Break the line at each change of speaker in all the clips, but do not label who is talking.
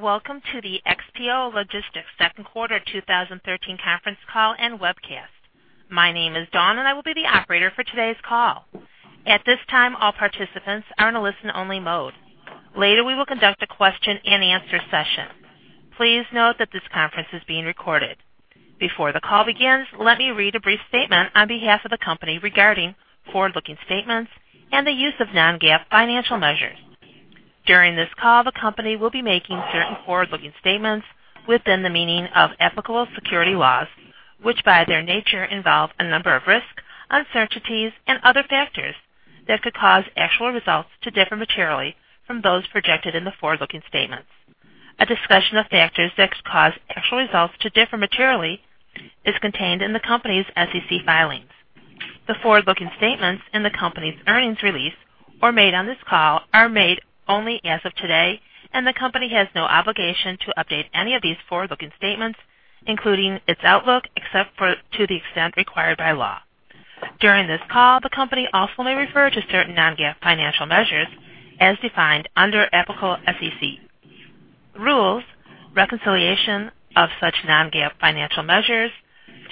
Welcome to the XPO Logistics Second Quarter 2013 conference call and webcast. My name is Dawn, and I will be the operator for today's call. At this time, all participants are in a listen-only mode. Later, we will conduct a question-and-answer session. Please note that this conference is being recorded. Before the call begins, let me read a brief statement on behalf of the company regarding forward-looking statements and the use of non-GAAP financial measures. During this call, the company will be making certain forward-looking statements within the meaning of applicable security laws, which, by their nature, involve a number of risks, uncertainties, and other factors that could cause actual results to differ materially from those projected in the forward-looking statements. A discussion of factors that could cause actual results to differ materially is contained in the company's SEC filings. The forward-looking statements in the company's earnings release and made on this call are made only as of today, and the company has no obligation to update any of these forward-looking statements, including its outlook, except to the extent required by law. During this call, the company also may refer to certain non-GAAP financial measures as defined under applicable SEC rules. Reconciliation of such non-GAAP financial measures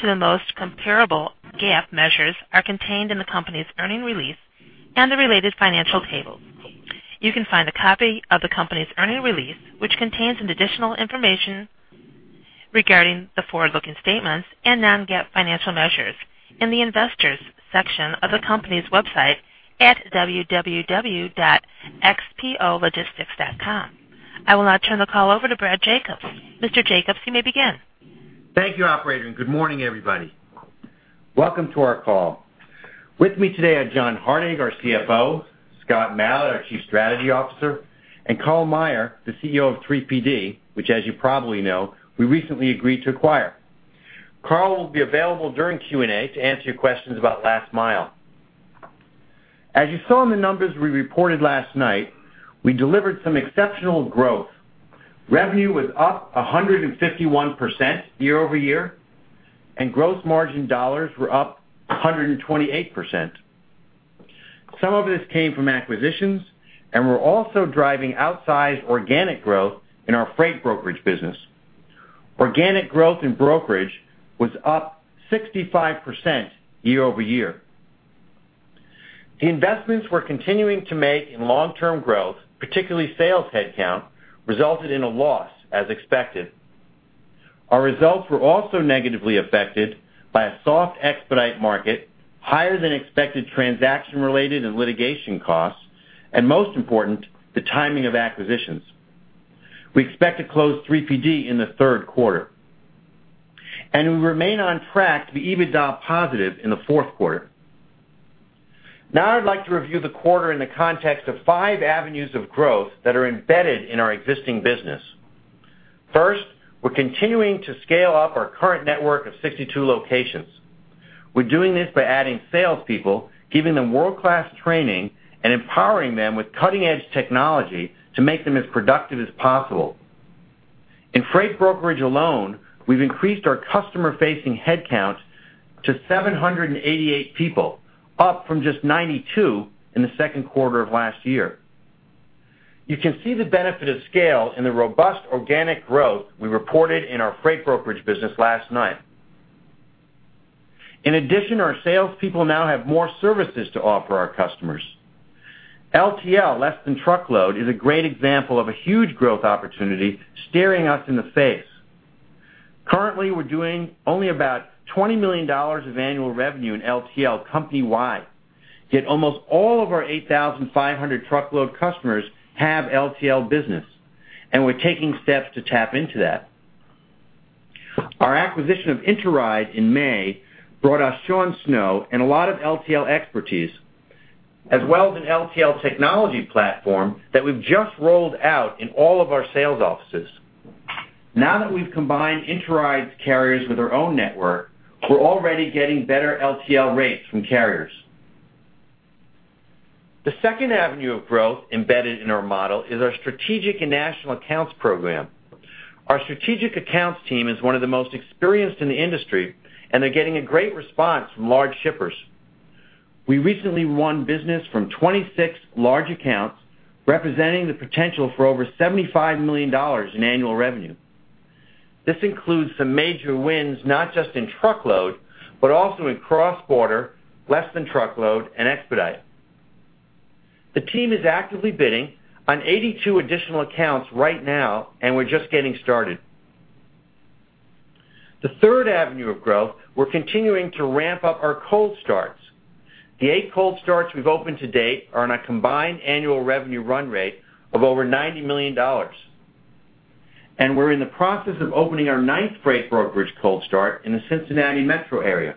to the most comparable GAAP measures are contained in the company's earnings release and the related financial table. You can find a copy of the company's earnings release, which contains additional information regarding the forward-looking statements and non-GAAP financial measures in the Investors section of the company's website at www.xpologistics.com. I will now turn the call over to Brad Jacobs. Mr. Jacobs, you may begin.
Thank you, operator, and good morning, everybody. Welcome to our call. With me today are John Hardig, our CFO, Scott Malat, our Chief Strategy Officer, and Karl Meyer, the CEO of 3PD, which, as you probably know, we recently agreed to acquire. Karl will be available during Q&A to answer your questions about Last Mile. As you saw in the numbers we reported last night, we delivered some exceptional growth. Revenue was up 151% year-over-year, and gross margin dollars were up 128%. Some of this came from acquisitions, and we're also driving outsized organic growth in our freight brokerage business. Organic growth in brokerage was up 65% year-over-year. The investments we're continuing to make in long-term growth, particularly sales headcount, resulted in a loss, as expected. Our results were also negatively affected by a soft expedite market, higher than expected transaction-related and litigation costs, and most important, the timing of acquisitions. We expect to close 3PD in the third quarter, and we remain on track to be EBITDA positive in the fourth quarter. Now I'd like to review the quarter in the context of five avenues of growth that are embedded in our existing business. First, we're continuing to scale up our current network of 62 locations. We're doing this by adding salespeople, giving them world-class training, and empowering them with cutting-edge technology to make them as productive as possible. In freight brokerage alone, we've increased our customer-facing headcount to 788 people, up from just 92 in the second quarter of last year. You can see the benefit of scale in the robust organic growth we reported in our freight brokerage business last night. In addition, our salespeople now have more services to offer our customers. LTL, less than truckload, is a great example of a huge growth opportunity staring us in the face. Currently, we're doing only about $20 million of annual revenue in LTL company-wide. Yet almost all of our 8,500 truckload customers have LTL business, and we're taking steps to tap into that. Our acquisition of Interide in May brought us Sean Snow and a lot of LTL expertise, as well as an LTL technology platform that we've just rolled out in all of our sales offices. Now that we've combined Interide's carriers with our own network, we're already getting better LTL rates from carriers. The second avenue of growth embedded in our model is our strategic and national accounts program. Our strategic accounts team is one of the most experienced in the industry, and they're getting a great response from large shippers. We recently won business from 26 large accounts, representing the potential for over $75 million in annual revenue. This includes some major wins, not just in truckload, but also in cross-border, less than truckload, and expedite. The team is actively bidding on 82 additional accounts right now, and we're just getting started. The third avenue of growth, we're continuing to ramp up our cold starts. The eight cold starts we've opened to date are on a combined annual revenue run rate of over $90 million, and we're in the process of opening our ninth freight brokerage cold start in the Cincinnati metro area.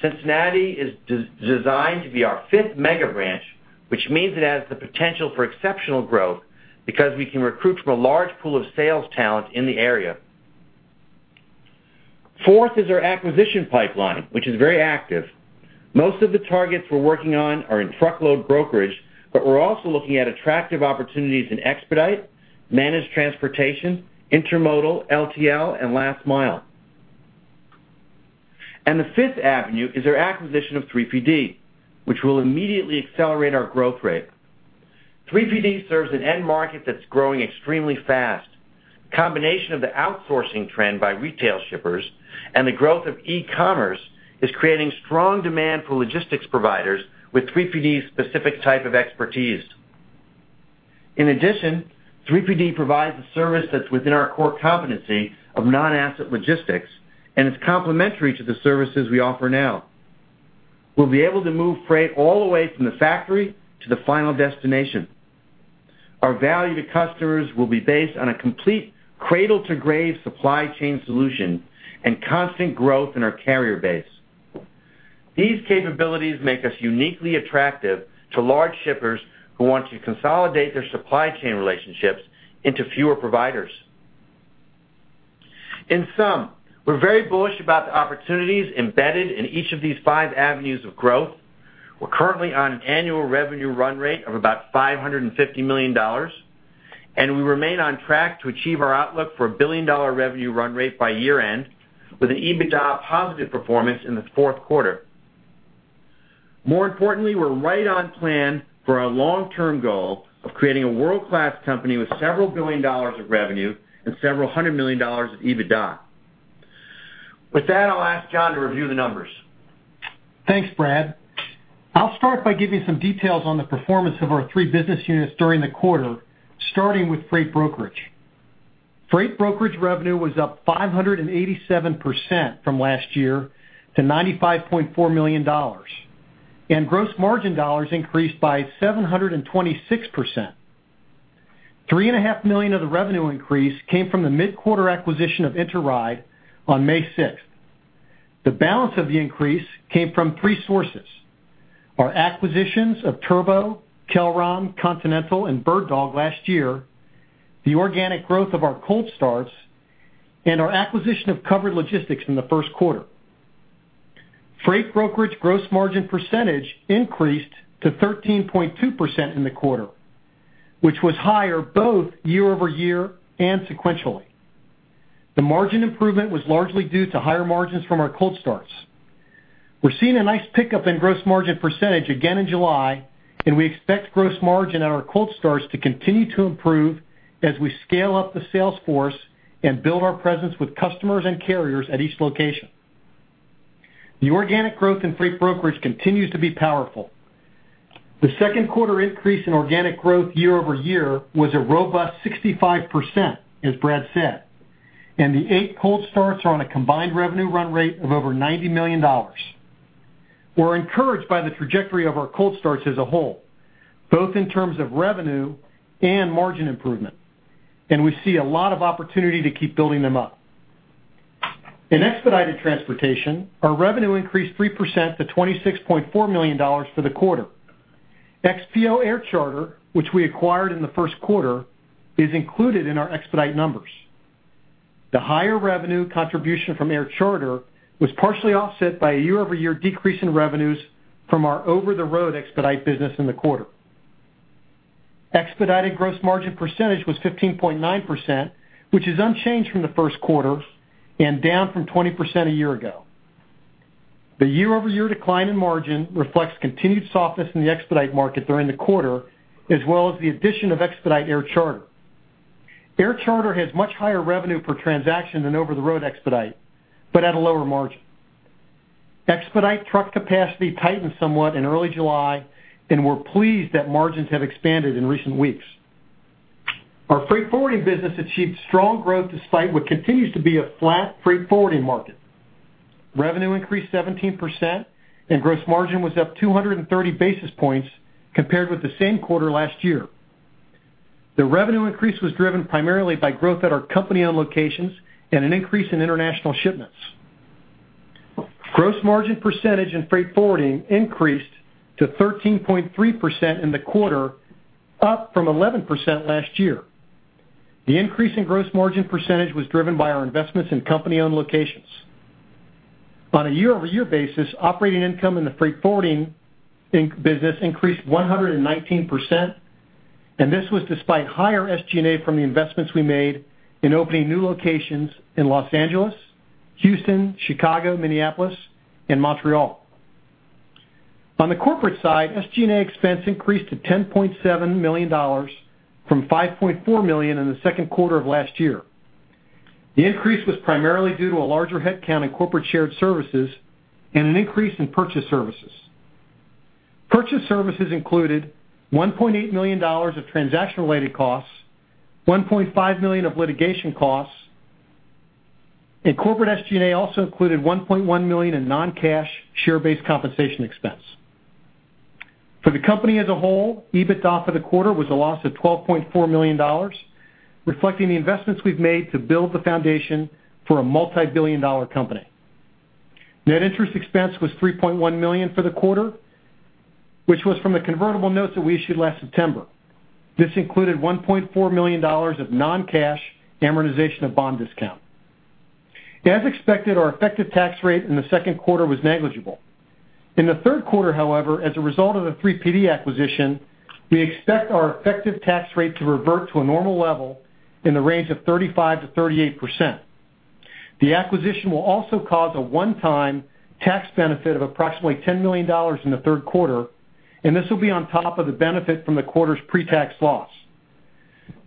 Cincinnati is designed to be our fifth mega branch, which means it has the potential for exceptional growth because we can recruit from a large pool of sales talent in the area. Fourth is our acquisition pipeline, which is very active. Most of the targets we're working on are in truckload brokerage, but we're also looking at attractive opportunities in expedite, managed transportation, intermodal, LTL, and Last Mile. And the fifth avenue is our acquisition of 3PD, which will immediately accelerate our growth rate. 3PD serves an end market that's growing extremely fast. Combination of the outsourcing trend by retail shippers and the growth of e-commerce is creating strong demand for logistics providers with 3PD's specific type of expertise. In addition, 3PD provides a service that's within our core competency of non-asset logistics, and it's complementary to the services we offer now. We'll be able to move freight all the way from the factory to the final destination. Our value to customers will be based on a complete cradle-to-grave supply chain solution and constant growth in our carrier base. These capabilities make us uniquely attractive to large shippers who want to consolidate their supply chain relationships into fewer providers. In sum, we're very bullish about the opportunities embedded in each of these five avenues of growth. We're currently on an annual revenue run rate of about $550 million, and we remain on track to achieve our outlook for a billion-dollar revenue run rate by year-end, with an EBITDA positive performance in the fourth quarter. More importantly, we're right on plan for our long-term goal of creating a world-class company with several billion dollars of revenue and several hundred million dollars of EBITDA. With that, I'll ask John to review the numbers.
Thanks, Brad. I'll start by giving some details on the performance of our three business units during the quarter, starting with Freight Brokerage. Freight brokerage revenue was up 587% from last year to $95.4 million, and gross margin dollars increased by 726%. $3.5 million of the revenue increase came from the mid-quarter acquisition of Interide on May 6th. The balance of the increase came from three sources: our acquisitions of Turbo, Kelron, Continental, and BirdDog last year, the organic growth of our cold starts, and our acquisition of Covered Logistics in the first quarter. Freight brokerage gross margin percentage increased to 13.2% in the quarter, which was higher both year-over-year and sequentially. The margin improvement was largely due to higher margins from our cold starts. We're seeing a nice pickup in gross margin percentage again in July, and we expect gross margin on our cold starts to continue to improve as we scale up the sales force and build our presence with customers and carriers at each location. The organic growth in freight brokerage continues to be powerful. The second quarter increase in organic growth year-over-year was a robust 65%, as Brad said, and the eight cold starts are on a combined revenue run rate of over $90 million. We're encouraged by the trajectory of our cold starts as a whole, both in terms of revenue and margin improvement, and we see a lot of opportunity to keep building them up. In Expedited Transportation, our revenue increased 3% to $26.4 million for the quarter. XPO Air Charter, which we acquired in the first quarter, is included in our expedite numbers. The higher revenue contribution from Air Charter was partially offset by a year-over-year decrease in revenues from our over-the-road expedite business in the quarter. Expedited gross margin percentage was 15.9%, which is unchanged from the first quarter and down from 20% a year ago. The year-over-year decline in margin reflects continued softness in the expedite market during the quarter, as well as the addition of expedite air charter. Air charter has much higher revenue per transaction than over-the-road expedite, but at a lower margin. Expedite truck capacity tightened somewhat in early July, and we're pleased that margins have expanded in recent weeks. Our Freight Forwarding business achieved strong growth, despite what continues to be a flat freight forwarding market. Revenue increased 17%, and gross margin was up 230 basis points compared with the same quarter last year. The revenue increase was driven primarily by growth at our company-owned locations and an increase in international shipments. Gross margin percentage in freight forwarding increased to 13.3% in the quarter, up from 11% last year. The increase in gross margin percentage was driven by our investments in company-owned locations. On a year-over-year basis, operating income in the freight forwarding business increased 119%, and this was despite higher SG&A from the investments we made in opening new locations in Los Angeles, Houston, Chicago, Minneapolis, and Montreal. On the corporate side, SG&A expense increased to $10.7 million from $5.4 million in the second quarter of last year. The increase was primarily due to a larger headcount in corporate shared services and an increase in purchased services. Purchased services included $1.8 million of transaction-related costs, $1.5 million of litigation costs, and corporate SG&A also included $1.1 million in non-cash share-based compensation expense. For the company as a whole, EBITDA for the quarter was a loss of $12.4 million, reflecting the investments we've made to build the foundation for a multibillion-dollar company. Net interest expense was $3.1 million for the quarter, which was from the convertible notes that we issued last September. This included $1.4 million of non-cash amortization of bond discount. As expected, our effective tax rate in the second quarter was negligible. In the third quarter, however, as a result of the 3PD acquisition, we expect our effective tax rate to revert to a normal level in the range of 35%-38%. The acquisition will also cause a one-time tax benefit of approximately $10 million in the third quarter, and this will be on top of the benefit from the quarter's pretax loss.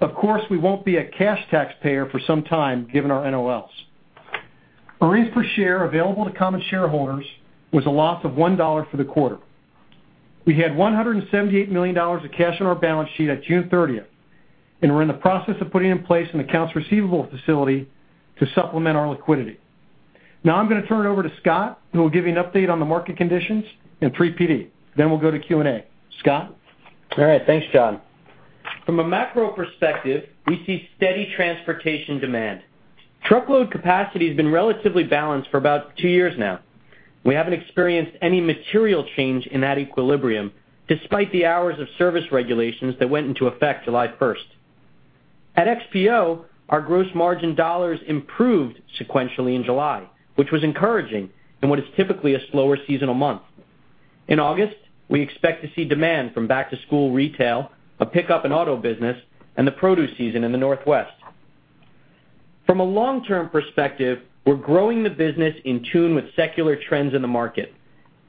Of course, we won't be a cash taxpayer for some time, given our NOLs. Earnings per share available to common shareholders was a loss of $1 for the quarter. We had $178 million of cash on our balance sheet at June thirtieth, and we're in the process of putting in place an accounts receivable facility to supplement our liquidity. Now I'm going to turn it over to Scott, who will give you an update on the market conditions and 3PD, then we'll go to Q&A. Scott?
All right, thanks, John. From a macro perspective, we see steady transportation demand. Truckload capacity has been relatively balanced for about two years now. We haven't experienced any material change in that equilibrium, despite the Hours of Service regulations that went into effect July 1st. At XPO, our gross margin dollars improved sequentially in July, which was encouraging in what is typically a slower seasonal month. In August, we expect to see demand from back-to-school retail, a pickup in auto business, and the produce season in the Northwest. From a long-term perspective, we're growing the business in tune with secular trends in the market.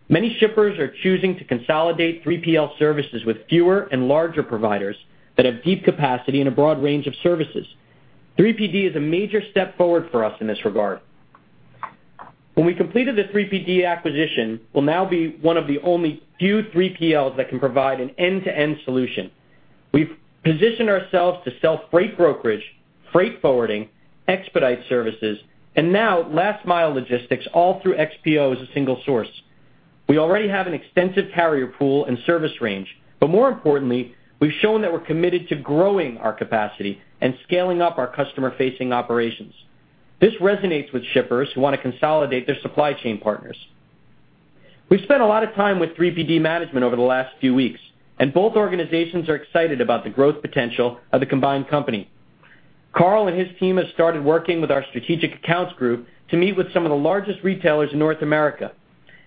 Many shippers are choosing to consolidate 3PL services with fewer and larger providers that have deep capacity and a broad range of services. 3PD is a major step forward for us in this regard. When we completed the 3PD acquisition, we'll now be one of the only few 3PLs that can provide an end-to-end solution. We've positioned ourselves to sell freight brokerage, freight forwarding, expedite services, and now last mile logistics, all through XPO as a single source. We already have an extensive carrier pool and service range, but more importantly, we've shown that we're committed to growing our capacity and scaling up our customer-facing operations. This resonates with shippers who want to consolidate their supply chain partners. We've spent a lot of time with 3PD management over the last few weeks, and both organizations are excited about the growth potential of the combined company. Karl and his team have started working with our strategic accounts group to meet with some of the largest retailers in North America,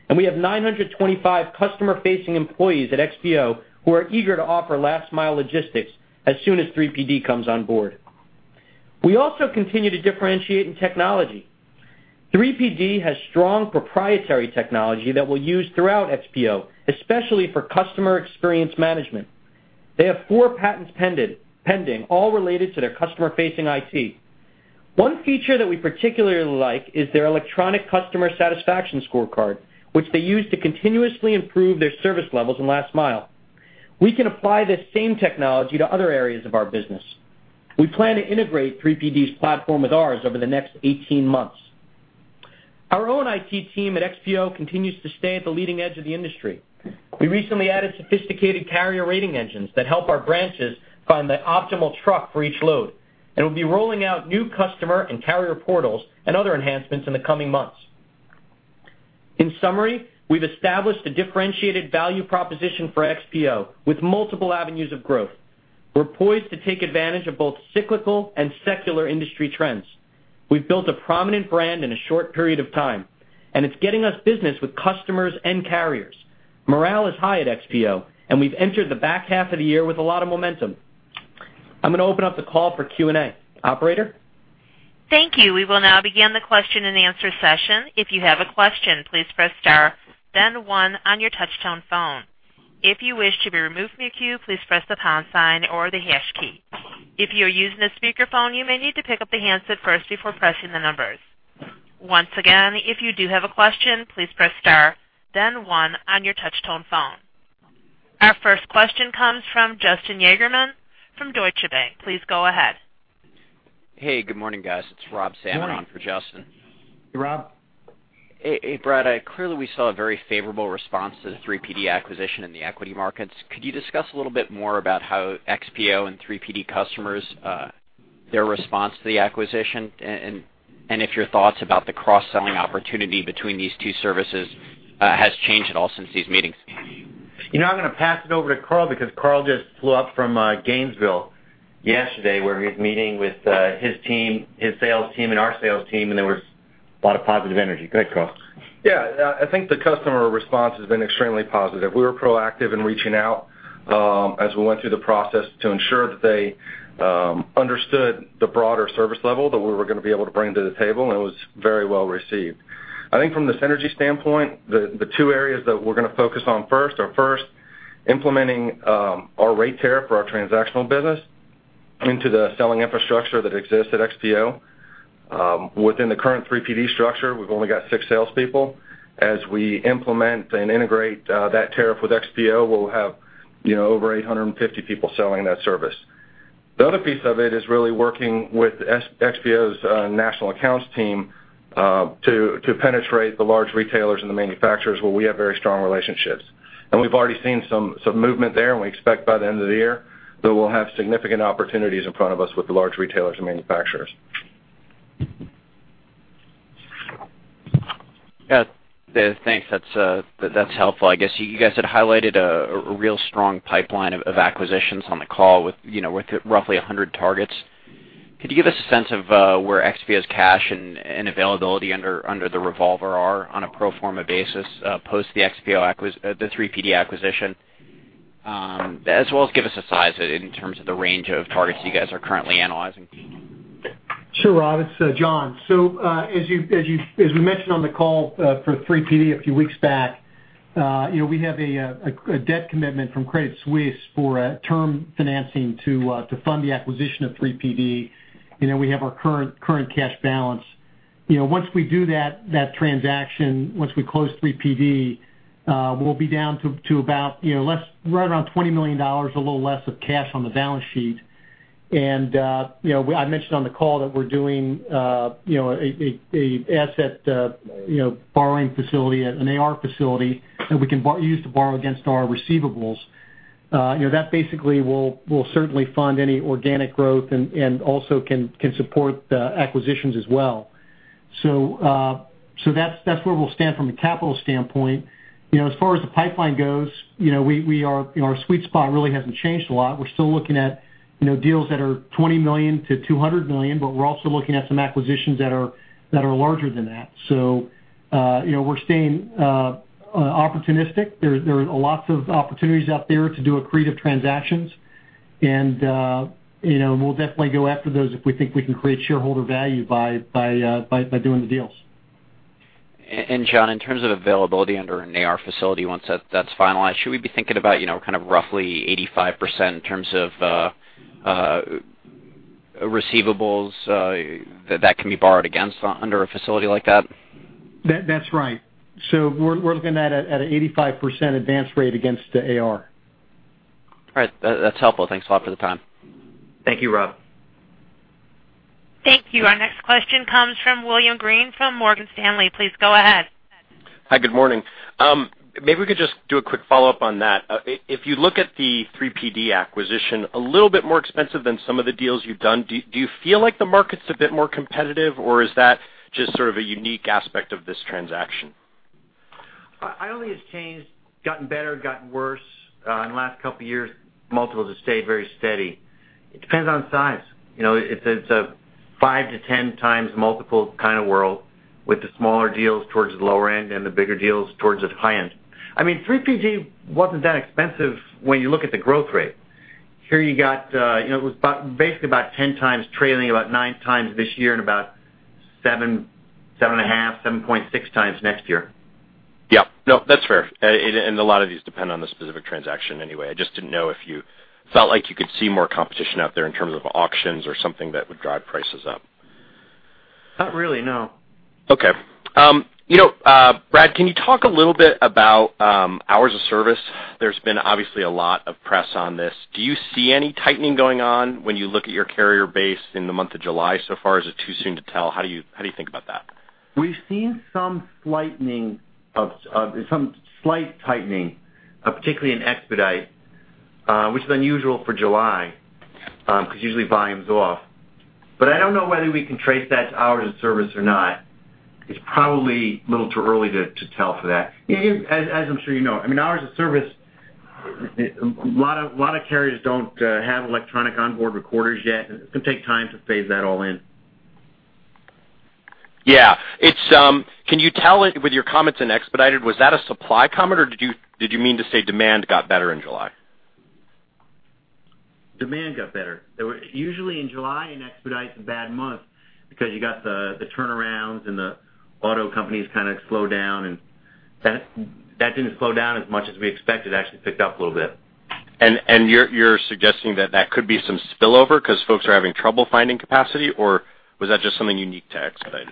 and we have 925 customer-facing employees at XPO who are eager to offer last-mile logistics as soon as 3PD comes on board. We also continue to differentiate in technology. 3PD has strong proprietary technology that we'll use throughout XPO, especially for customer experience management. They have 4 patents pending, all related to their customer-facing IT. One feature that we particularly like is their Electronic Customer Satisfaction Scorecard, which they use to continuously improve their service levels in last mile. We can apply this same technology to other areas of our business. We plan to integrate 3PD's platform with ours over the next 18 months. Our own IT team at XPO continues to stay at the leading edge of the industry. We recently added sophisticated carrier rating engines that help our branches find the optimal truck for each load, and we'll be rolling out new customer and carrier portals and other enhancements in the coming months. In summary, we've established a differentiated value proposition for XPO with multiple avenues of growth. We're poised to take advantage of both cyclical and secular industry trends. We've built a prominent brand in a short period of time, and it's getting us business with customers and carriers. Morale is high at XPO, and we've entered the back half of the year with a lot of momentum. I'm going to open up the call for Q&A. Operator?
Thank you. We will now begin the question-and-answer session. If you have a question, please press star, then one on your touchtone phone. If you wish to be removed from the queue, please press the pound sign or the hash key. If you are using a speakerphone, you may need to pick up the handset first before pressing the numbers. Once again, if you do have a question, please press star, then one on your touchtone phone. Our first question comes from Justin Yagerman from Deutsche Bank. Please go ahead.
Hey, good morning, guys. It's Rob Salmon-
Morning.
-for Justin.
Hey, Rob.
Hey, Brad, clearly, we saw a very favorable response to the 3PD acquisition in the equity markets. Could you discuss a little bit more about how XPO and 3PD customers, their response to the acquisition? And if your thoughts about the cross-selling opportunity between these two services has changed at all since these meetings?
You know, I'm going to pass it over to Karl because Karl just flew up from Gainesville yesterday, where he was meeting with his team, his sales team and our sales team, and there was a lot of positive energy. Go ahead, Karl.
Yeah, I think the customer response has been extremely positive. We were proactive in reaching out, as we went through the process to ensure that they understood the broader service level that we were going to be able to bring to the table, and it was very well received. I think from the synergy standpoint, the two areas that we're going to focus on first are, first, implementing our rate tariff for our transactional business into the selling infrastructure that exists at XPO. Within the current 3PD structure, we've only got six salespeople. As we implement and integrate, that tariff with XPO, we'll have, you know, over 850 people selling that service. The other piece of it is really working with XPO's national accounts team to penetrate the large retailers and the manufacturers where we have very strong relationships. And we've already seen some movement there, and we expect by the end of the year that we'll have significant opportunities in front of us with the large retailers and manufacturers.
Yeah, thanks. That's helpful. I guess you guys had highlighted a real strong pipeline of acquisitions on the call with, you know, with roughly 100 targets. Could you give us a sense of where XPO's cash and availability under the revolver are on a pro forma basis, post the 3PD acquisition, as well as give us a size in terms of the range of targets you guys are currently analyzing?
Sure, Rob, it's John. So, as we mentioned on the call, for 3PD a few weeks back, you know, we have a debt commitment from Credit Suisse for a term financing to fund the acquisition of 3PD. You know, we have our current cash balance. You know, once we do that transaction, once we close 3PD, we'll be down to about, you know, right around $20 million, a little less cash on the balance sheet. And, you know, I mentioned on the call that we're doing, you know, an asset borrowing facility, an AR facility, that we can use to borrow against our receivables. You know, that basically will certainly fund any organic growth and also can support acquisitions as well. So, that's where we'll stand from a capital standpoint. You know, as far as the pipeline goes, you know, we are, our sweet spot really hasn't changed a lot. We're still looking at, you know, deals that are $20 million-$200 million, but we're also looking at some acquisitions that are larger than that. So, you know, we're staying opportunistic. There are lots of opportunities out there to do accretive transactions, and, you know, we'll definitely go after those if we think we can create shareholder value by doing the deals.
And John, in terms of availability under an AR facility, once that's finalized, should we be thinking about, you know, kind of roughly 85% in terms of receivables that can be borrowed against under a facility like that?
That's right. So we're looking at an 85% advance rate against the AR.
All right. That, that's helpful. Thanks a lot for the time.
Thank you, Rob.
Thank you. Our next question comes from William Greene from Morgan Stanley. Please go ahead.
Hi, good morning. Maybe we could just do a quick follow-up on that. If you look at the 3PD acquisition, a little bit more expensive than some of the deals you've done, do you feel like the market's a bit more competitive, or is that just sort of a unique aspect of this transaction?
I don't think it's changed, gotten better, gotten worse. In the last couple of years, multiples have stayed very steady. It depends on size. You know, it's a 5-10x multiple kind of world, with the smaller deals towards the lower end and the bigger deals towards the high end. I mean, 3PD wasn't that expensive when you look at the growth rate. Here, you got, you know, it was about, basically about 10x trailing, about 9x this year, and about 7x, 7.5x, 7.6x next year.
Yeah. No, that's fair. And a lot of these depend on the specific transaction anyway. I just didn't know if you felt like you could see more competition out there in terms of auctions or something that would drive prices up.
Not really, no.
Okay. You know, Brad, can you talk a little bit about Hours of Service? There's been obviously a lot of press on this. Do you see any tightening going on when you look at your carrier base in the month of July so far, or is it too soon to tell? How do you, how do you think about that?
We've seen some slight tightening, particularly in expedite, which is unusual for July, because usually volume's off. But I don't know whether we can trace that to hours of service or not. It's probably a little too early to tell for that. As I'm sure you know, I mean, hours of service, a lot of carriers don't have electronic onboard recorders yet, and it's going to take time to phase that all in.
Yeah. It's, can you tell it with your comments in expedited? Was that a supply comment, or did you mean to say demand got better in July?
Demand got better. Usually in July, in expedite is a bad month because you got the turnarounds and the auto companies kind of slow down, and that didn't slow down as much as we expected. It actually picked up a little bit.
You're suggesting that that could be some spillover because folks are having trouble finding capacity, or was that just something unique to expedite?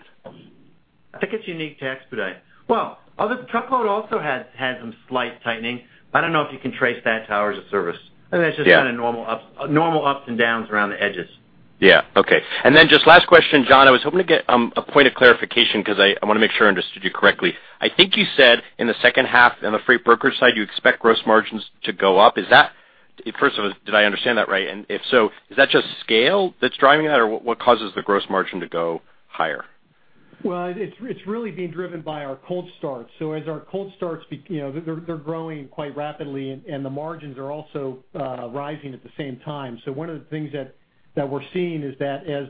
I think it's unique to expedite. Well, other truckload also had some slight tightening, but I don't know if you can trace that to Hours of Service.
Yeah.
I think that's just kind of normal ups and downs around the edges.
Yeah. Okay. And then just last question, John. I was hoping to get a point of clarification because I, I want to make sure I understood you correctly. I think you said in the second half, on the freight broker side, you expect gross margins to go up. Is that, first of all, did I understand that right? And if so, is that just scale that's driving that, or what, what causes the gross margin to go higher?
Well, it's really being driven by our cold start. So as our cold starts, you know, they're growing quite rapidly, and the margins are also rising at the same time. So one of the things that we're seeing is that as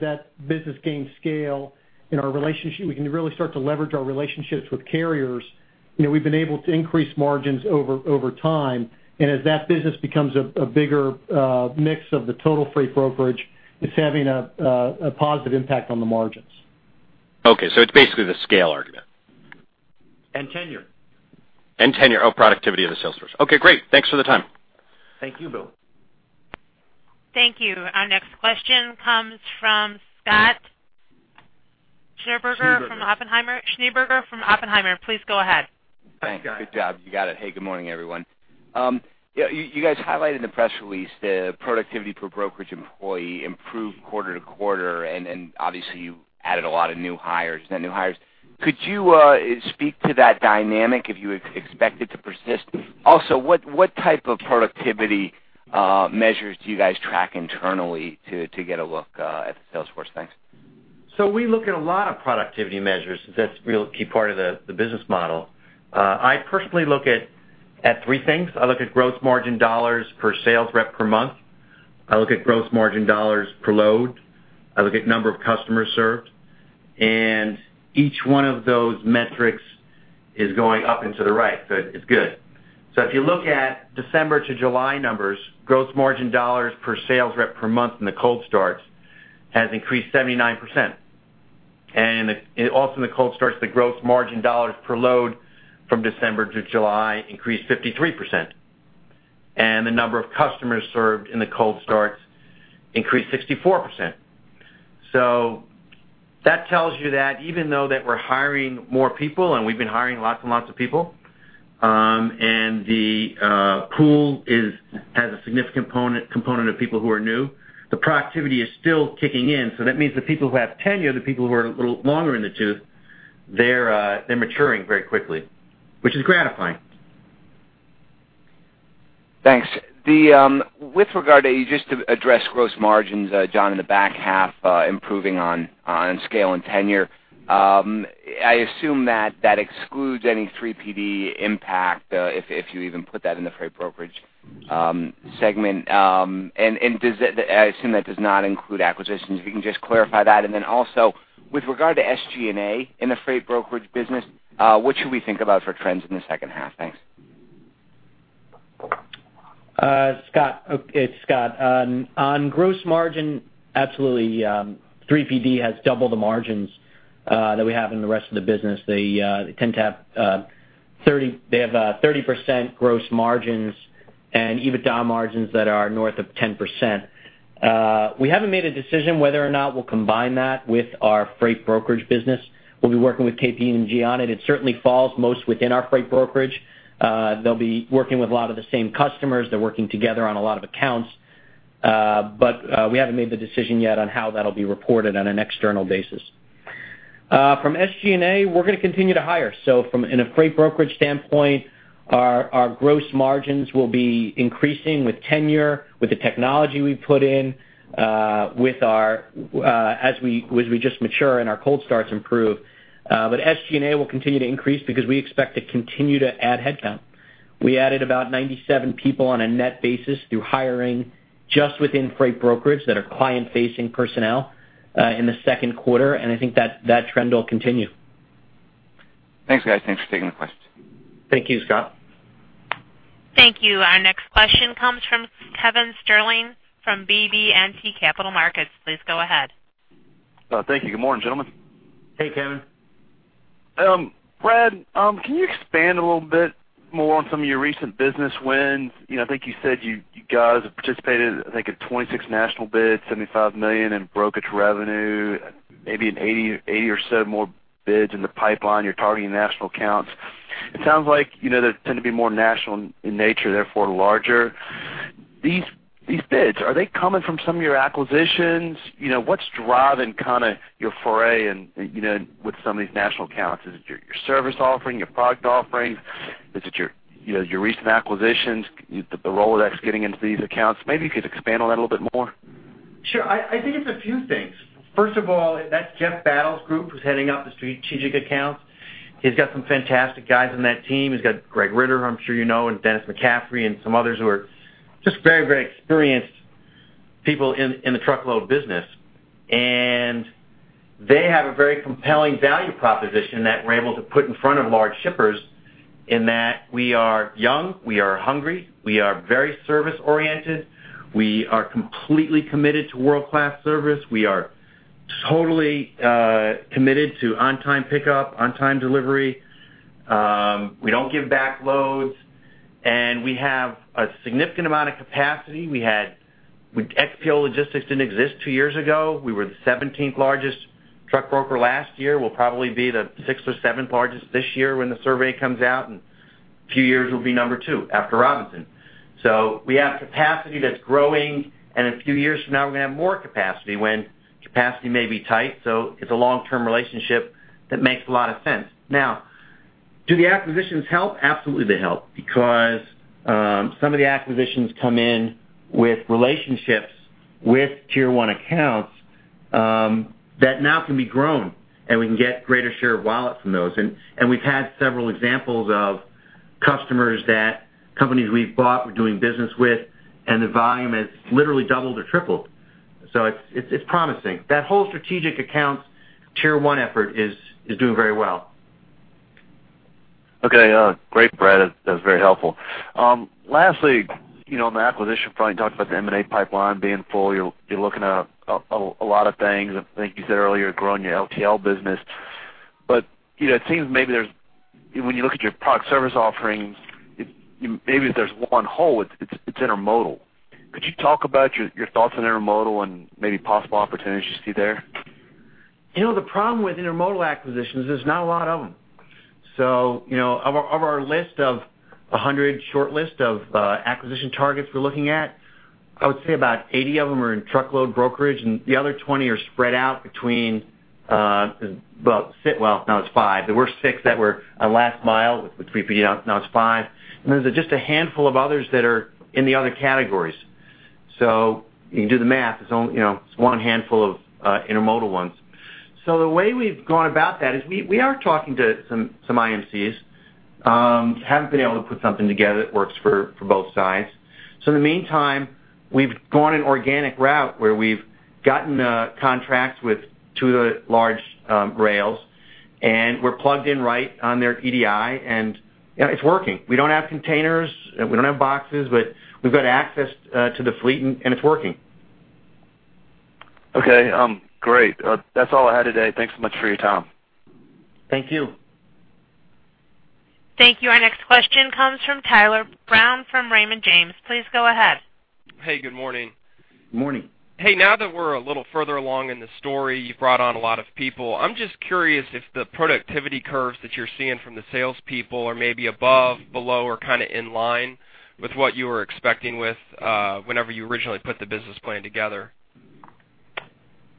that business gains scale in our relationship, we can really start to leverage our relationships with carriers. You know, we've been able to increase margins over time, and as that business becomes a bigger mix of the total freight brokerage, it's having a positive impact on the margins.
Okay, so it's basically the scale argument.
And tenure.
Tenure. Oh, productivity of the sales force. Okay, great. Thanks for the time.
Thank you, Bill.
Thank you. Our next question comes from Scott Schneeberger, from Oppenheimer. Schneeberger from Oppenheimer. Please go ahead.
Thanks. Good job. You got it. Hey, good morning, everyone. Yeah, you guys highlighted in the press release the productivity per brokerage employee improved quarter-to-quarter, and obviously, you added a lot of new hires, net new hires. Could you speak to that dynamic if you expect it to persist? Also, what type of productivity measures do you guys track internally to get a look at the sales force? Thanks.
So we look at a lot of productivity measures. That's a real key part of the business model. I personally look at three things. I look at gross margin dollars per sales rep per month. I look at gross margin dollars per load. I look at number of customers served, and each one of those metrics is going up into the right, so it's good. So if you look at December to July numbers, gross margin dollars per sales rep per month in the cold starts has increased 79%. And also in the cold starts, the gross margin dollars per load from December to July increased 53%, and the number of customers served in the cold starts increased 64%. So that tells you that even though that we're hiring more people, and we've been hiring lots and lots of people, and the pool has a significant component, component of people who are new, the productivity is still kicking in. So that means the people who have tenure, the people who are a little longer in the tooth, they're, they're maturing very quickly, which is gratifying.
Thanks. The, with regard to, you just addressed gross margins, John, in the back half, improving on scale and tenure. I assume that excludes any 3PD impact, if you even put that in the freight brokerage segment. And does that—I assume that does not include acquisitions. If you can just clarify that, and then also with regard to SG&A in the freight brokerage business, what should we think about for trends in the second half? Thanks.
Scott, it's Scott. On gross margin, absolutely, 3PD has double the margins that we have in the rest of the business. They tend to have 30% gross margins and EBITDA margins that are north of 10%. We haven't made a decision whether or not we'll combine that with our freight brokerage business. We'll be working with KPMG on it. It certainly falls most within our freight brokerage. They'll be working with a lot of the same customers. They're working together on a lot of accounts, but we haven't made the decision yet on how that'll be reported on an external basis. From SG&A, we're going to continue to hire. So in a freight brokerage standpoint, our gross margins will be increasing with tenure, with the technology we put in, with our, as we just mature and our cold starts improve. But SG&A will continue to increase because we expect to continue to add headcount. We added about 97 people on a net basis through hiring just within freight brokerage that are client-facing personnel, in the second quarter, and I think that trend will continue.
Thanks, guys. Thanks for taking the question.
Thank you, Scott.
Thank you. Our next question comes from Kevin Sterling from BB&T Capital Markets. Please go ahead.
Thank you. Good morning, gentlemen.
Hey, Kevin.
Brad, can you expand a little bit more on some of your recent business wins? You know, I think you, you guys have participated, I think, in 26 national bids, $75 million in brokerage revenue, maybe in 80 or so more bids in the pipeline. You're targeting national accounts. It sounds like, you know, they tend to be more national in nature, therefore larger. These, these bids, are they coming from some of your acquisitions? You know, what's driving kind of your foray and, you know, with some of these national accounts? Is it your service offering, your product offerings? Is it your, you know, your recent acquisitions, the role that's getting into these accounts? Maybe you could expand on that a little bit more.
Sure. I think it's a few things. First of all, that's Jeff Battle's group, who's heading up the strategic accounts. He's got some fantastic guys on that team. He's got Greg Ritter, who I'm sure you know, and Dennis McCaffrey and some others who are just very, very experienced people in the truckload business. And they have a very compelling value proposition that we're able to put in front of large shippers in that we are young, we are hungry, we are very service-oriented, we are completely committed to world-class service. We are totally committed to on-time pickup, on-time delivery. We don't give back loads, and we have a significant amount of capacity. XPO Logistics didn't exist two years ago. We were the seventeenth largest truck broker last year. We'll probably be the sixth or seventh largest this year when the survey comes out, and in a few years, we'll be number two after Robinson. So we have capacity that's growing, and a few years from now, we're going to have more capacity when capacity may be tight. So it's a long-term relationship that makes a lot of sense. Now, do the acquisitions help? Absolutely, they help because some of the acquisitions come in with relationships with tier one accounts that now can be grown, and we can get greater share of wallet from those. And we've had several examples of customers that companies we've bought were doing business with, and the volume has literally doubled or tripled. So it's promising. That whole strategic accounts tier one effort is doing very well.
Okay, great, Brad. That's very helpful. Lastly, you know, on the acquisition front, you talked about the M&A pipeline being full. You're looking at a lot of things. I think you said earlier, growing your LTL business. But, you know, it seems maybe there's... When you look at your product service offerings, maybe if there's one hole, it's intermodal. Could you talk about your thoughts on intermodal and maybe possible opportunities you see there?
You know, the problem with intermodal acquisitions, there's not a lot of them. So, you know, of our, of our list of a 100 shortlist of acquisition targets we're looking at, I would say about 80 of them are in truckload brokerage, and the other 20 are spread out between, well, well, now it's five. There were six that were a last mile, with 3PD, now it's five, and there's just a handful of others that are in the other categories. So you do the math, it's only, you know, it's one handful of intermodal ones. So the way we've gone about that is we, we are talking to some, some IMCs, haven't been able to put something together that works for, for both sides.
So in the meantime, we've gone an organic route where we've gotten contracts with two of the large rails, and we're plugged in right on their EDI, and it's working. We don't have containers, we don't have boxes, but we've got access to the fleet, and it's working. Okay, great. That's all I had today. Thanks so much for your time.
Thank you.
Thank you. Our next question comes from Tyler Brown from Raymond James. Please go ahead.
Hey, good morning.
Morning.
Hey, now that we're a little further along in the story, you've brought on a lot of people. I'm just curious if the productivity curves that you're seeing from the salespeople are maybe above, below, or kinda in line with what you were expecting with whenever you originally put the business plan together?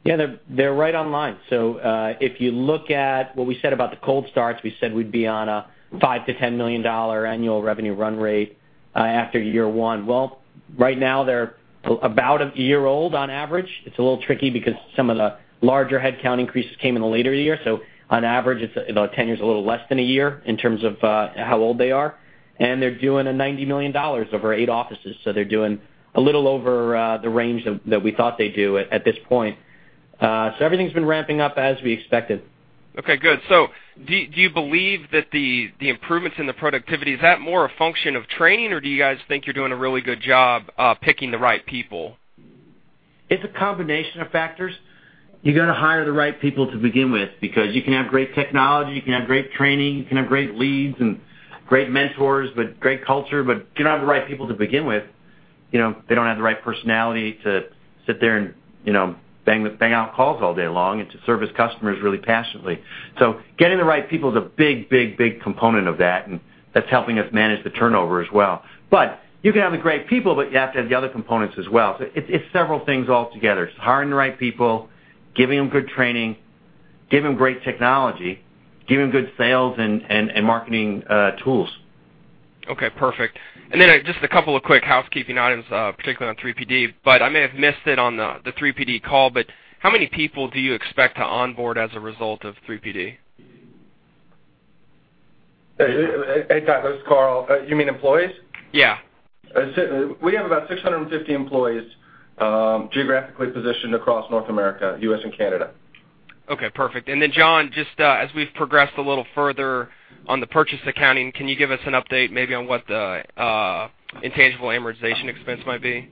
Yeah, they're right on line. So, if you look at what we said about the cold starts, we said we'd be on a $5-$10 million annual revenue run rate after year one. Well, right now, they're about a year old on average. It's a little tricky because some of the larger headcount increases came in the later year. So on average, it's about 10 years, a little less than a year in terms of how old they are, and they're doing a $90 million over 8 offices. So they're doing a little over the range that we thought they'd do at this point. So everything's been ramping up as we expected.
Okay, good. So do you believe that the improvements in the productivity, is that more a function of training, or do you guys think you're doing a really good job picking the right people?
It's a combination of factors. You gotta hire the right people to begin with because you can have great technology, you can have great training, you can have great leads and great mentors, but great culture, but if you don't have the right people to begin with, you know, they don't have the right personality to sit there and, you know, bang out calls all day long and to service customers really passionately. So getting the right people is a big, big, big component of that, and that's helping us manage the turnover as well. But you can have the great people, but you have to have the other components as well. So it's several things all together. It's hiring the right people, giving them good training, giving them great technology, giving them good sales and marketing tools.
Okay, perfect. Just a couple of quick housekeeping items, particularly on 3PD, but I may have missed it on the 3PD call, but how many people do you expect to onboard as a result of 3PD?
Hey, hey, Tyler, it's Karl. You mean employees?
Yeah.
We have about 650 employees, geographically positioned across North America, U.S. and Canada.
Okay, perfect. And then, John, just, as we've progressed a little further on the purchase accounting, can you give us an update, maybe on what the intangible amortization expense might be?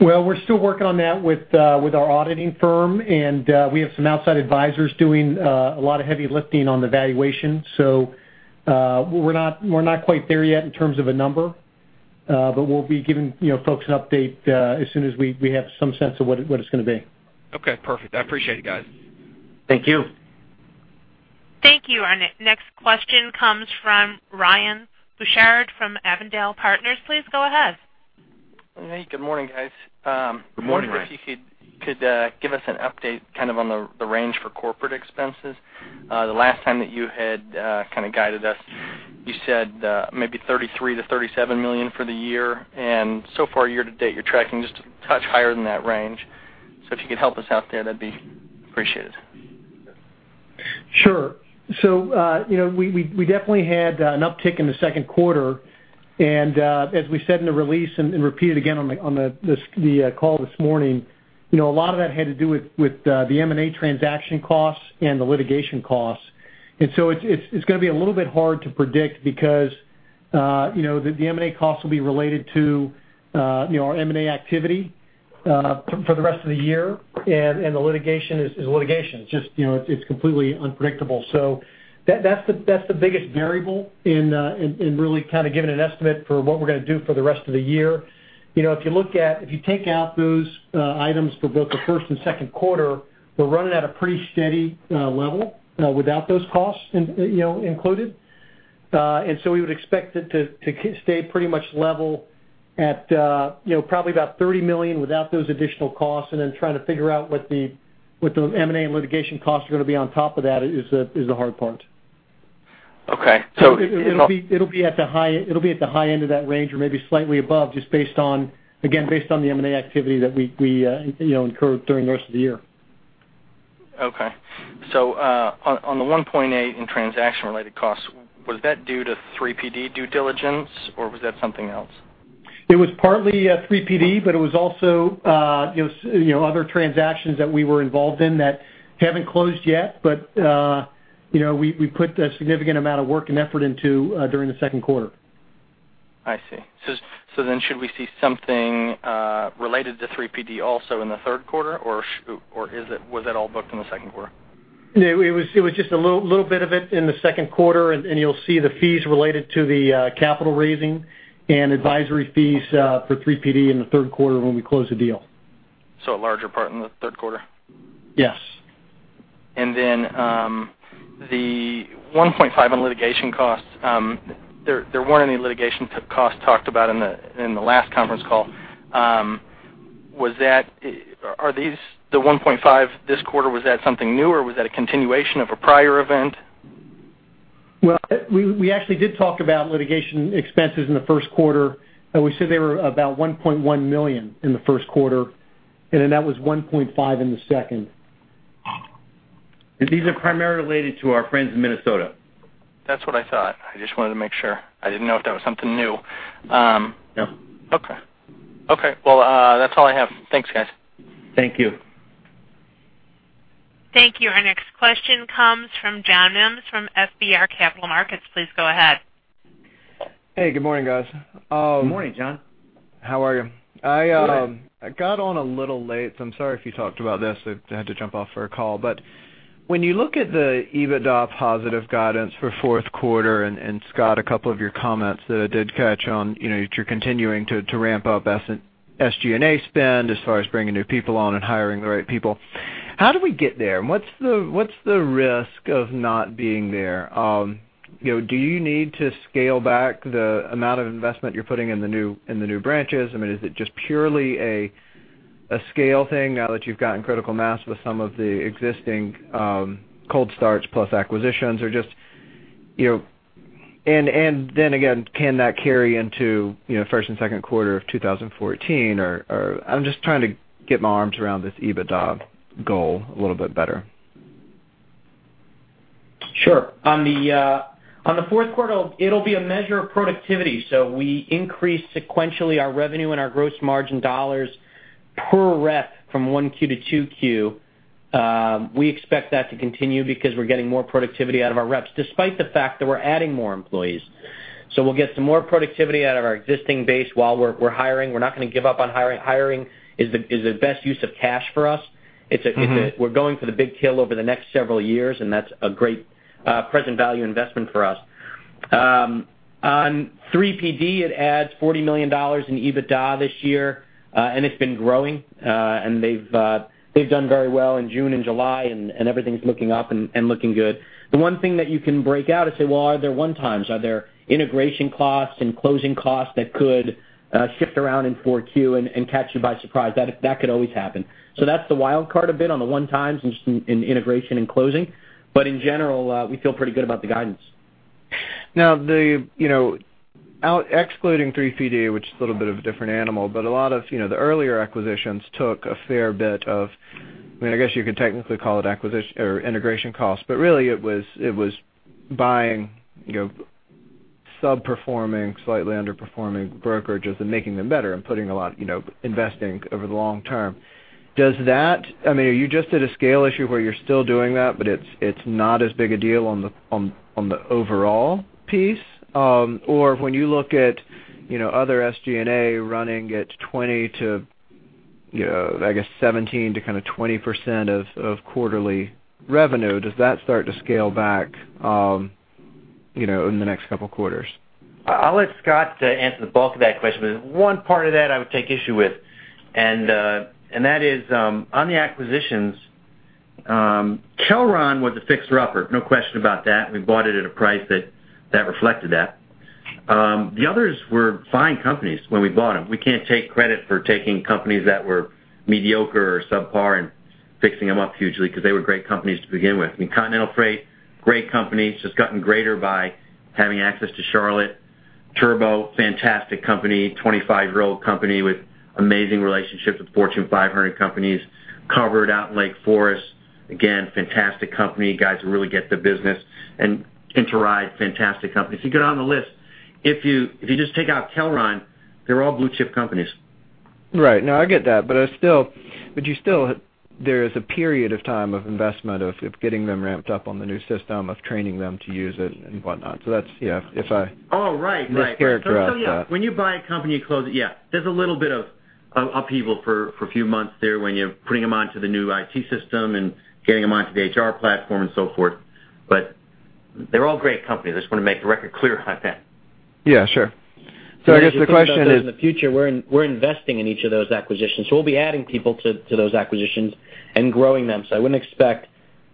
Well, we're still working on that with, with our auditing firm, and, we have some outside advisors doing, a lot of heavy lifting on the valuation. So, we're not, we're not quite there yet in terms of a number, but we'll be giving, you know, folks an update, as soon as we, we have some sense of what it, what it's gonna be.
Okay, perfect. I appreciate it, guys.
Thank you.
Thank you. Our next question comes from Ryan Bouchard from Avondale Partners. Please go ahead.
Hey, good morning, guys.
Good morning, Ryan.
If you could give us an update, kind of on the range for corporate expenses. The last time that you had kind of guided us, you said maybe $33 million-$37 million for the year, and so far, year to date, you're tracking just a touch higher than that range. So if you could help us out there, that'd be appreciated.
Sure. So, you know, we definitely had an uptick in the second quarter, and, as we said in the release and repeated again on the call this morning, you know, a lot of that had to do with the M&A transaction costs and the litigation costs. And so it's gonna be a little bit hard to predict because, you know, the M&A costs will be related to, you know, our M&A activity for the rest of the year, and the litigation is litigation. It's just, you know, it's completely unpredictable. So that's the biggest variable in really kind of giving an estimate for what we're gonna do for the rest of the year. You know, if you look at... If you take out those items for both the first and second quarter, we're running at a pretty steady level without those costs, you know, included. And so we would expect it to stay pretty much level at, you know, probably about $30 million without those additional costs, and then trying to figure out what the, what the M&A and litigation costs are gonna be on top of that is the, is the hard part.
Okay, so-
It'll be at the high end of that range or maybe slightly above, just based on, again, based on the M&A activity that we incur during the rest of the year.
Okay. So, on the $1.8 in transaction-related costs, was that due to 3PD due diligence, or was that something else?
It was partly 3PD, but it was also, you know, other transactions that we were involved in that haven't closed yet, but, you know, we put a significant amount of work and effort into during the second quarter.
I see. So, so then should we see something related to 3PD also in the third quarter, or is it, was that all booked in the second quarter?
It was just a little bit of it in the second quarter, and you'll see the fees related to the capital raising and advisory fees for 3PD in the third quarter when we close the deal.
So a larger part in the third quarter?
Yes.
The $1.5 in litigation costs, there weren't any litigation costs talked about in the last conference call. Was that—Are these the $1.5 this quarter, was that something new, or was that a continuation of a prior event?...
Well, we actually did talk about litigation expenses in the first quarter, and we said they were about $1.1 million in the first quarter, and then that was $1.5 million in the second.
These are primarily related to our friends in Minnesota.
That's what I thought. I just wanted to make sure. I didn't know if that was something new.
No.
Okay. Okay, well, that's all I have. Thanks, guys.
Thank you.
Thank you. Our next question comes from John Mims from FBR Capital Markets. Please go ahead.
Hey, good morning, guys.
Good morning, John.
How are you?
Good.
I got on a little late, so I'm sorry if you talked about this. I had to jump off for a call. But when you look at the EBITDA positive guidance for fourth quarter, and Scott, a couple of your comments that I did catch on, you know, that you're continuing to ramp up SG&A spend as far as bringing new people on and hiring the right people. How do we get there? And what's the risk of not being there? You know, do you need to scale back the amount of investment you're putting in the new branches? I mean, is it just purely a scale thing now that you've gotten critical mass with some of the existing cold starts plus acquisitions? Or just, you know, and then again, can that carry into, you know, first and second quarter of 2014? Or, I'm just trying to get my arms around this EBITDA goal a little bit better.
Sure. On the fourth quarter, it'll be a measure of productivity. So we increased sequentially, our revenue and our gross margin dollars per rep from one Q to two Q. We expect that to continue because we're getting more productivity out of our reps, despite the fact that we're adding more employees. So we'll get some more productivity out of our existing base while we're, we're hiring. We're not going to give up on hiring. Hiring is the best use of cash for us.
Mm-hmm.
It's -- we're going for the big kill over the next several years, and that's a great present value investment for us. On 3PD, it adds $40 million in EBITDA this year, and it's been growing, and they've done very well in June and July, and everything's looking up and looking good. The one thing that you can break out is, say, well, are there one times? Are there integration costs and closing costs that could shift around in 4Q and catch you by surprise? That could always happen. So that's the wild card a bit on the one times in integration and closing. But in general, we feel pretty good about the guidance.
Now, you know, excluding 3PD, which is a little bit of a different animal, but a lot of, you know, the earlier acquisitions took a fair bit of, I mean, I guess you could technically call it acquisition or integration costs, but really it was, it was buying, you know, subperforming, slightly underperforming brokerages and making them better and putting a lot, you know, investing over the long term. Does that? I mean, are you just at a scale issue where you're still doing that, but it's, it's not as big a deal on the, on, on the overall piece? Or when you look at, you know, other SG&A running at 20 to, I guess 17 to kind of 20% of, of quarterly revenue, does that start to scale back, you know, in the next couple quarters?
I'll let Scott answer the bulk of that question, but one part of that I would take issue with, and that is, on the acquisitions, Kelron was a fixer-upper, no question about that. We bought it at a price that, that reflected that. The others were fine companies when we bought them. We can't take credit for taking companies that were mediocre or subpar and fixing them up hugely because they were great companies to begin with. I mean, Continental Freight, great company, just gotten greater by having access to Charlotte. Turbo, fantastic company, 25-year-old company with amazing relationships with Fortune 500 companies. Covered out Lake Forest, again, fantastic company, guys who really get the business. And Interide, fantastic company. If you go down the list, if you, if you just take out Kelron, they're all blue chip companies.
Right. No, I get that. But I still—but you still, there is a period of time of investment, of, of getting them ramped up on the new system, of training them to use it and whatnot. So that's, you know, if I-
Oh, right, right.
Mischaracterized that.
So, yeah, when you buy a company, you close it. Yeah, there's a little bit of, of upheaval for, for a few months there when you're putting them onto the new IT system and getting them onto the HR platform and so forth, but they're all great companies. I just want to make the record clear on that.
Yeah, sure. So I guess the question is-
In the future, we're investing in each of those acquisitions, so we'll be adding people to those acquisitions and growing them. So I wouldn't expect...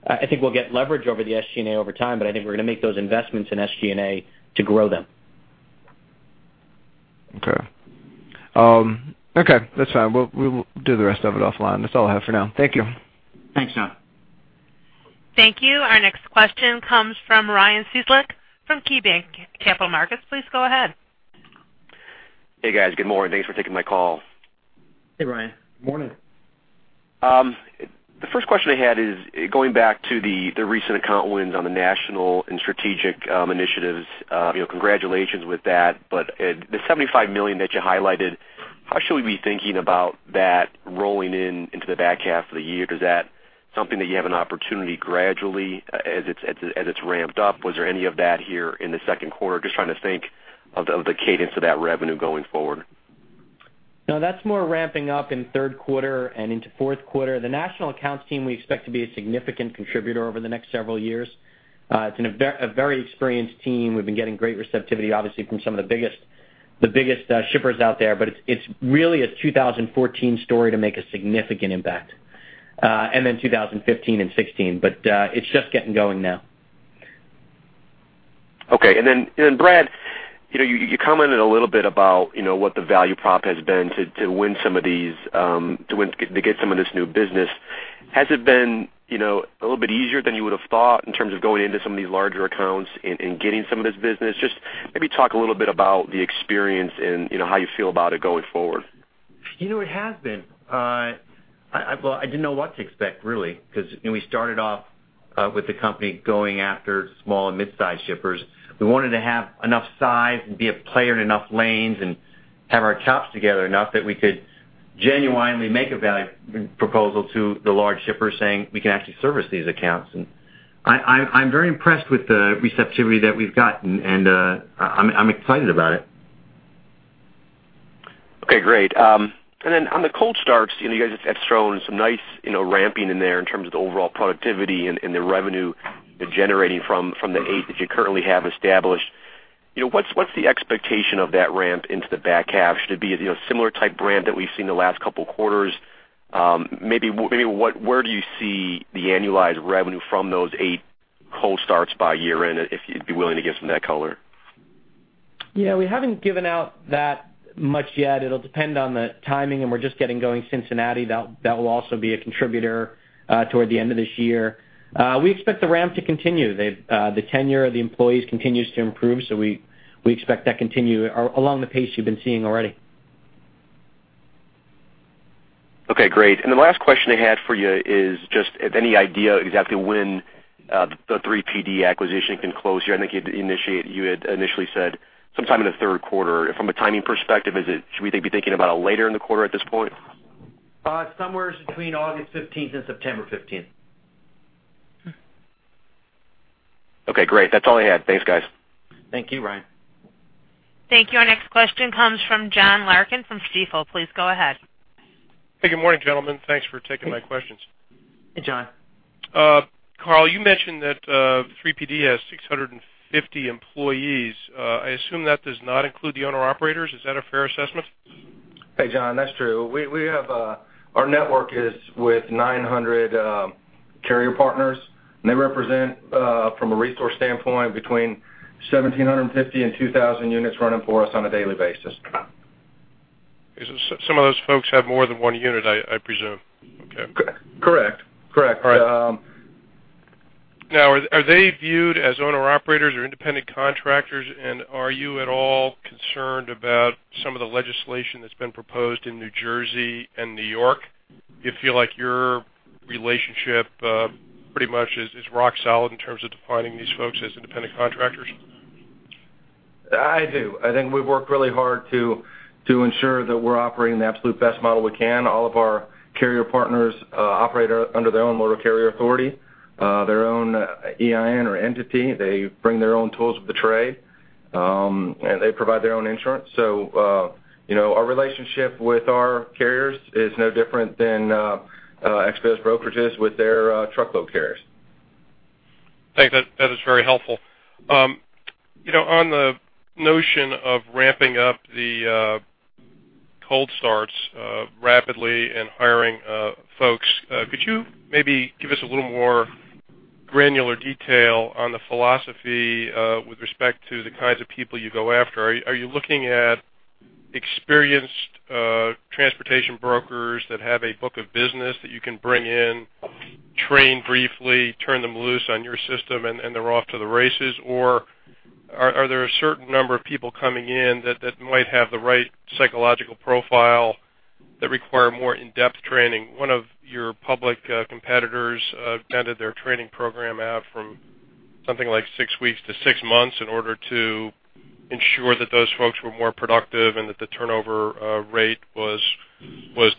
I think we'll get leverage over the SG&A over time, but I think we're going to make those investments in SG&A to grow them.
Okay. Okay, that's fine. We'll do the rest of it offline. That's all I have for now. Thank you.
Thanks, John.
Thank you. Our next question comes from Ryan Cieslak from KeyBanc Capital Markets. Please go ahead.
Hey, guys. Good morning. Thanks for taking my call.
Hey, Ryan. Good morning.
The first question I had is going back to the recent account wins on the national and strategic initiatives. You know, congratulations with that. But, the $75 million that you highlighted, how should we be thinking about that rolling in into the back half of the year? Is that something that you have an opportunity gradually as it's ramped up? Was there any of that here in the second quarter? Just trying to think of the cadence of that revenue going forward.
No, that's more ramping up in third quarter and into fourth quarter. The national accounts team, we expect to be a significant contributor over the next several years. It's a very experienced team. We've been getting great receptivity, obviously, from some of the biggest, the biggest, shippers out there, but it's, it's really a 2014 story to make a significant impact, and then 2015 and 2016. But, it's just getting going now.
Okay. Then, Brad, you know, you commented a little bit about, you know, what the value prop has been to win some of these, to get some of this new business. Has it been, you know, a little bit easier than you would have thought in terms of going into some of these larger accounts and getting some of this business? Just maybe talk a little bit about the experience and, you know, how you feel about it going forward.
You know, it has been. Well, I didn't know what to expect, really, because when we started off with the company going after small and mid-sized shippers, we wanted to have enough size and be a player in enough lanes and have our chops together enough that we could genuinely make a value proposal to the large shippers, saying we can actually service these accounts. And I'm very impressed with the receptivity that we've gotten, and I'm excited about it.
Okay, great. And then on the cold starts, you know, you guys have shown some nice, you know, ramping in there in terms of the overall productivity and, and the revenue you're generating from, from the 8 that you currently have established. You know, what's, what's the expectation of that ramp into the back half? Should it be, you know, similar type ramp that we've seen the last couple of quarters? Maybe, maybe what—where do you see the annualized revenue from those 8 cold starts by year-end, if you'd be willing to give some of that color?
You know, we haven't given out that much yet. It'll depend on the timing, and we're just getting going. Cincinnati, that will also be a contributor toward the end of this year. We expect the ramp to continue. They've the tenure of the employees continues to improve, so we expect that to continue along the pace you've been seeing already.
Okay, great. And the last question I had for you is just if any idea exactly when the 3PD acquisition can close here? I think you'd initiate, you had initially said sometime in the third quarter. From a timing perspective, is it, should we be thinking about later in the quarter at this point?
Somewhere between August fifteenth and September fifteenth.
Okay, great. That's all I had. Thanks, guys.
Thank you, Ryan.
Thank you. Our next question comes from John Larkin from Stifel. Please go ahead.
Hey, good morning, gentlemen. Thanks for taking my questions.
Hey, John.
Karl, you mentioned that 3PD has 650 employees. I assume that does not include the owner-operators. Is that a fair assessment?
Hey, John, that's true. We, we have, our network is with 900 carrier partners, and they represent, from a resource standpoint, between 1,750 and 2,000 units running for us on a daily basis.
Some of those folks have more than one unit, I presume. Okay.
Correct. Correct.
All right.
Um.
Now, are they viewed as owner-operators or independent contractors? And are you at all concerned about some of the legislation that's been proposed in New Jersey and New York? Do you feel like your relationship pretty much is rock solid in terms of defining these folks as independent contractors?
I do. I think we've worked really hard to ensure that we're operating the absolute best model we can. All of our carrier partners operate under their own motor carrier authority, their own EIN or entity. They bring their own tools of the trade, and they provide their own insurance. So, you know, our relationship with our carriers is no different than XPO's brokerages with their truckload carriers.
Thanks. That, that is very helpful. You know, on the notion of ramping up the cold starts rapidly and hiring folks, could you maybe give us a little more granular detail on the philosophy with respect to the kinds of people you go after? Are you, are you looking at experienced transportation brokers that have a book of business that you can bring in, train briefly, turn them loose on your system, and they're off to the races? Or are, are there a certain number of people coming in that might have the right psychological profile that require more in-depth training? One of your public competitors extended their training program out from something like 6 weeks to 6 months in order to ensure that those folks were more productive and that the turnover rate was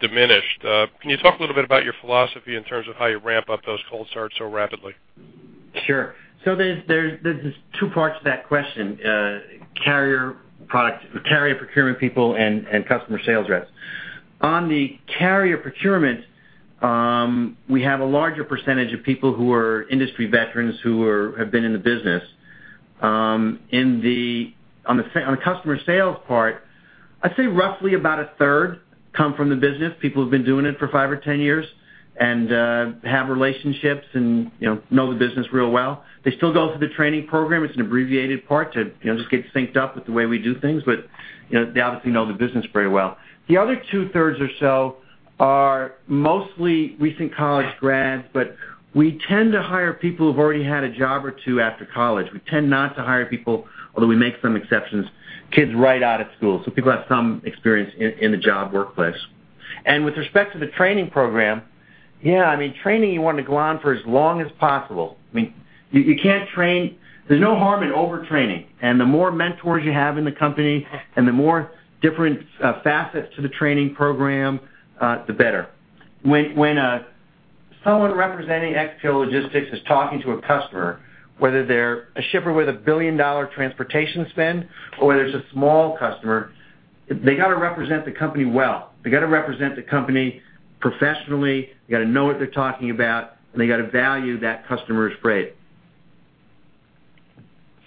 diminished. Can you talk a little bit about your philosophy in terms of how you ramp up those cold starts so rapidly?
Sure. So there's two parts to that question. Carrier procurement people and customer sales reps. On the carrier procurement, we have a larger percentage of people who are industry veterans, who have been in the business. On the customer sales part, I'd say roughly about a third come from the business, people who've been doing it for five or 10 years and have relationships and, you know, know the business real well. They still go through the training program. It's an abbreviated part to, you know, just get synced up with the way we do things, but, you know, they obviously know the business very well. The other two-thirds or so are mostly recent college grads, but we tend to hire people who've already had a job or two after college. We tend not to hire people, although we make some exceptions, kids right out of school, so people have some experience in the job workplace. With respect to the training program, yeah, I mean, training, you want to go on for as long as possible. I mean, you can't train. There's no harm in overtraining, and the more mentors you have in the company and the more different facets to the training program, the better. When someone representing XPO Logistics is talking to a customer, whether they're a shipper with a billion-dollar transportation spend or whether it's a small customer, they got to represent the company well. They got to represent the company professionally, they got to know what they're talking about, and they got to value that customer's freight.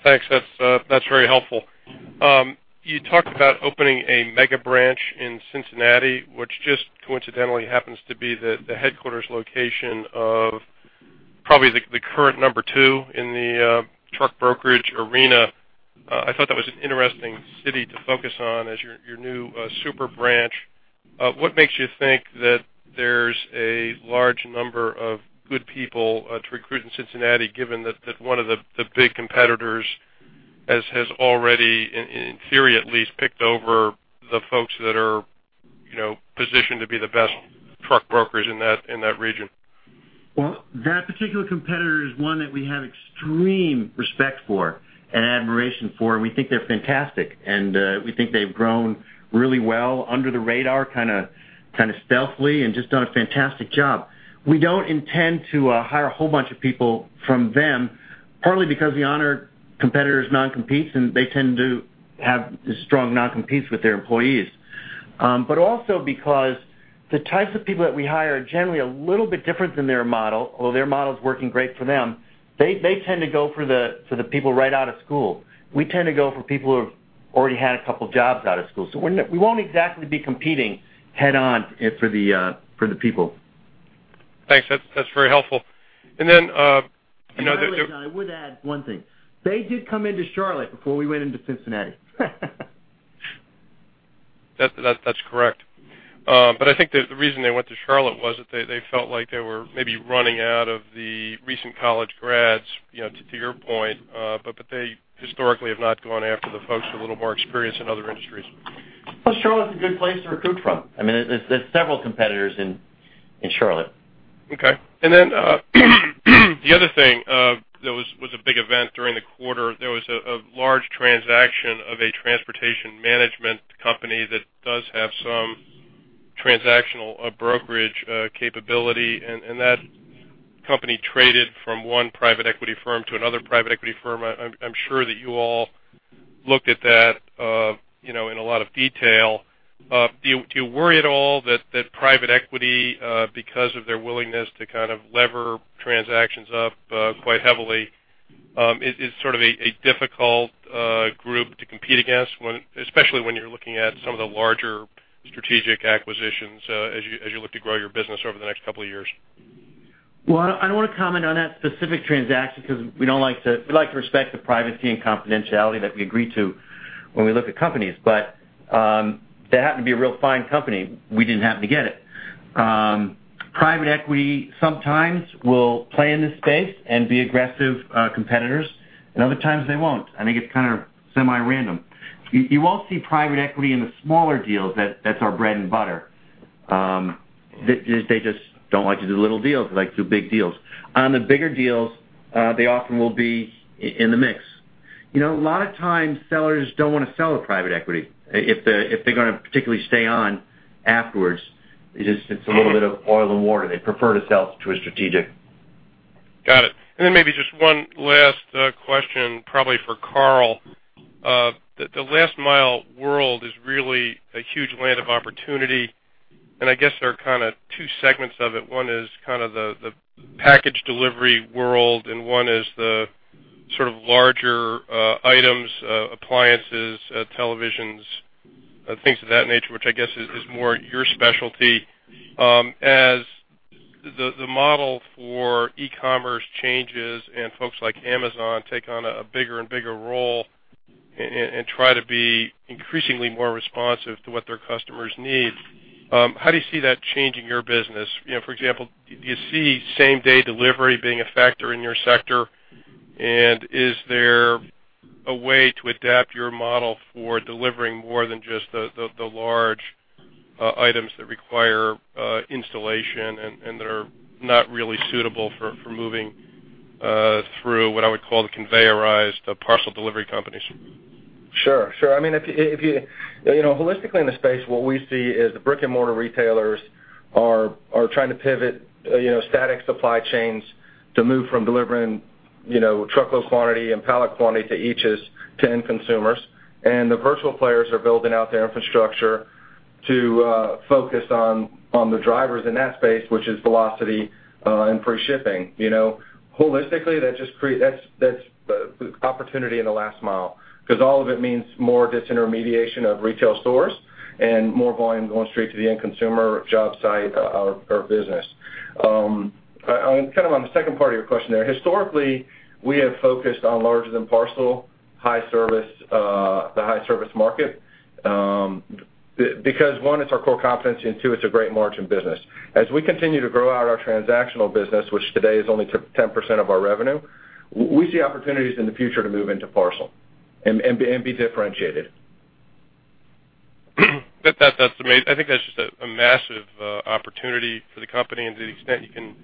Thanks. That's very helpful. You talked about opening a mega branch in Cincinnati, which just coincidentally happens to be the headquarters location of probably the current number two in the truck brokerage arena. I thought that was an interesting city to focus on as your new super branch. What makes you think that there's a large number of good people to recruit in Cincinnati, given that one of the big competitors has already, in theory, at least, picked over the folks that are, you know, positioned to be the best truck brokers in that region?
Well, that particular competitor is one that we have extreme respect for and admiration for, and we think they're fantastic. We think they've grown really well under the radar, kind of, kind of stealthily, and just done a fantastic job. We don't intend to hire a whole bunch of people from them, partly because we honor competitors' non-competes, and they tend to have strong non-competes with their employees. But also because the types of people that we hire are generally a little bit different than their model, although their model is working great for them. They tend to go for the people right out of school. We tend to go for people who have already had a couple jobs out of school, so we're not- we won't exactly be competing head on for the people.
Thanks. That's, that's very helpful. And then, you know, the-
I would add one thing. They did come into Charlotte before we went into Cincinnati.
That's correct. But I think the reason they went to Charlotte was that they felt like they were maybe running out of the recent college grads, you know, to your point. But they historically have not gone after the folks with a little more experience in other industries.
Well, Charlotte's a good place to recruit from. I mean, there's several competitors in Charlotte.
Okay. And then, the other thing, that was a big event during the quarter, there was a large transaction of a transportation management company that does have some transactional, brokerage, capability, and that company traded from one private equity firm to another private equity firm. I'm sure that you all looked at that, you know, in a lot of detail. Do you worry at all that private equity, because of their willingness to kind of lever transactions up, quite heavily, is sort of a difficult group to compete against when—especially when you're looking at some of the larger strategic acquisitions, as you look to grow your business over the next couple of years?
Well, I don't want to comment on that specific transaction because we don't like to. We like to respect the privacy and confidentiality that we agree to when we look at companies. But, that happened to be a real fine company. We didn't happen to get it. Private equity sometimes will play in this space and be aggressive competitors, and other times they won't. I think it's kind of semi-random. You won't see private equity in the smaller deals that's our bread and butter. They just don't like to do little deals. They like to do big deals. On the bigger deals, they often will be in the mix. You know, a lot of times sellers don't want to sell to private equity if they, if they're going to particularly stay on afterwards. It is. It's a little bit of oil and water. They prefer to sell to a strategic.
Got it. And then maybe just one last question, probably for Karl. The last mile world is really a huge land of opportunity, and I guess there are kind of two segments of it. One is kind of the package delivery world, and one is the sort of larger items, appliances, televisions, things of that nature, which I guess is more your specialty. As the model for e-commerce changes and folks like Amazon take on a bigger and bigger role and try to be increasingly more responsive to what their customers need, how do you see that changing your business? You know, for example, do you see same-day delivery being a factor in your sector? Is there a way to adapt your model for delivering more than just the large items that require installation and that are not really suitable for moving through what I would call the conveyorized parcel delivery companies?
Sure, sure. I mean, if you, if you... You know, holistically in the space, what we see is the brick-and-mortar retailers are trying to pivot, you know, static supply chains to move from delivering, you know, truckload quantity and pallet quantity to each end consumers. And the virtual players are building out their infrastructure to focus on, on the drivers in that space, which is velocity and free shipping. You know, holistically, that just create- that's, that's opportunity in the last mile, because all of it means more disintermediation of retail stores and more volume going straight to the end consumer, job site or, or business. Kind of on the second part of your question there, historically, we have focused on larger than parcel, high service, the high service market, because, one, it's our core competency, and two, it's a great margin business. As we continue to grow out our transactional business, which today is only 10% of our revenue, we see opportunities in the future to move into parcel and be differentiated.
That, that's amazing. I think that's just a massive opportunity for the company to the extent you can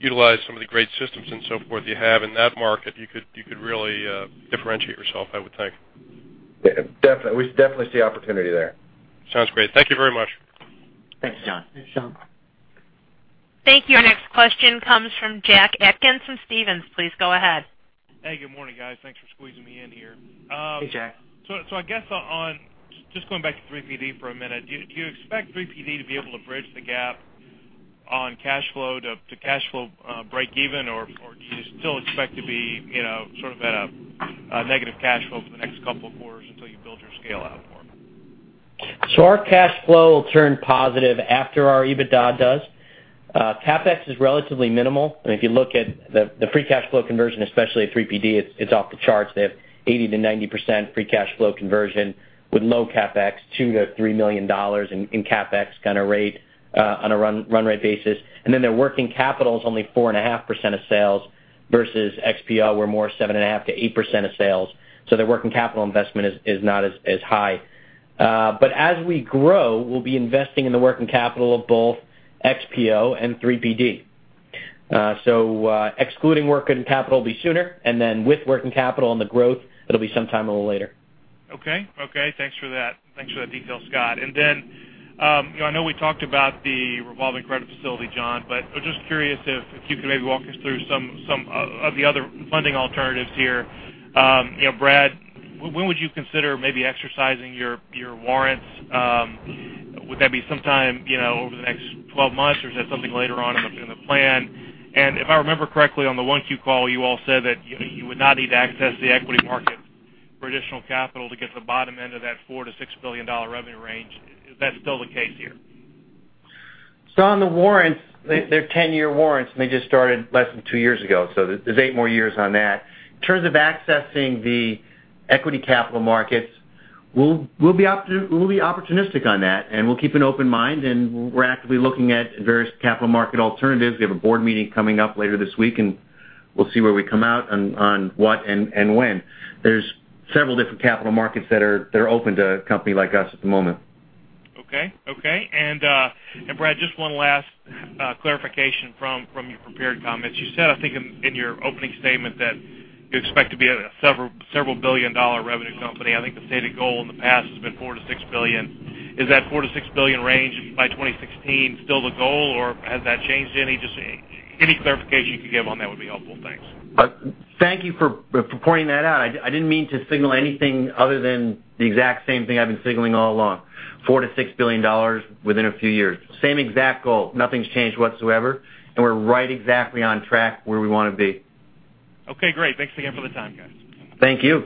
utilize some of the great systems and so forth you have in that market. You could really differentiate yourself, I would think.
Yeah, definitely. We definitely see opportunity there.
Sounds great. Thank you very much.
Thanks, John.
Thanks, John.
Thank you. Our next question comes from Jack Atkins from Stephens. Please go ahead.
Hey, good morning, guys. Thanks for squeezing me in here.
Hey, Jack.
So, I guess, just going back to 3PD for a minute, do you expect 3PD to be able to bridge the gap on cash flow to cash flow break even? Or do you still expect to be, you know, sort of at a negative cash flow for the next couple of quarters until you build your scale out more?...
So our cash flow will turn positive after our EBITDA does. CapEx is relatively minimal, and if you look at the free cash flow conversion, especially at 3PD, it's off the charts. They have 80%-90% free cash flow conversion with low CapEx, $2 million-$3 million in CapEx kind of rate on a run rate basis. And then their working capital is only 4.5% of sales versus XPO, we're more 7.5%-8% of sales. So their working capital investment is not as high. But as we grow, we'll be investing in the working capital of both XPO and 3PD. So excluding working capital will be sooner, and then with working capital and the growth, it'll be sometime a little later.
Okay. Okay, thanks for that. Thanks for that detail, Scott. And then, you know, I know we talked about the revolving credit facility, John, but I'm just curious if you could maybe walk us through some of the other funding alternatives here. You know, Brad, when would you consider maybe exercising your warrants? Would that be sometime, you know, over the next 12 months, or is that something later on in the plan? And if I remember correctly, on the 1Q call, you all said that you would not need to access the equity market for additional capital to get to the bottom end of that $4-$6 billion revenue range. Is that still the case here?
So on the warrants, they're 10-year warrants, and they just started less than 2 years ago, so there's 8 more years on that. In terms of accessing the equity capital markets, we'll be opportunistic on that, and we'll keep an open mind, and we're actively looking at various capital market alternatives. We have a board meeting coming up later this week, and we'll see where we come out on what and when. There's several different capital markets that are open to a company like us at the moment.
Okay. Okay. And, Brad, just one last clarification from your prepared comments. You said, I think in your opening statement, that you expect to be a several billion-dollar revenue company. I think the stated goal in the past has been $4 billion-$6 billion. Is that $4 billion-$6 billion range by 2016 still the goal, or has that changed any? Just any clarification you could give on that would be helpful. Thanks.
Thank you for pointing that out. I didn't mean to signal anything other than the exact same thing I've been signaling all along, $4 billion-$6 billion within a few years. Same exact goal. Nothing's changed whatsoever, and we're right exactly on track where we want to be.
Okay, great. Thanks again for the time, guys.
Thank you.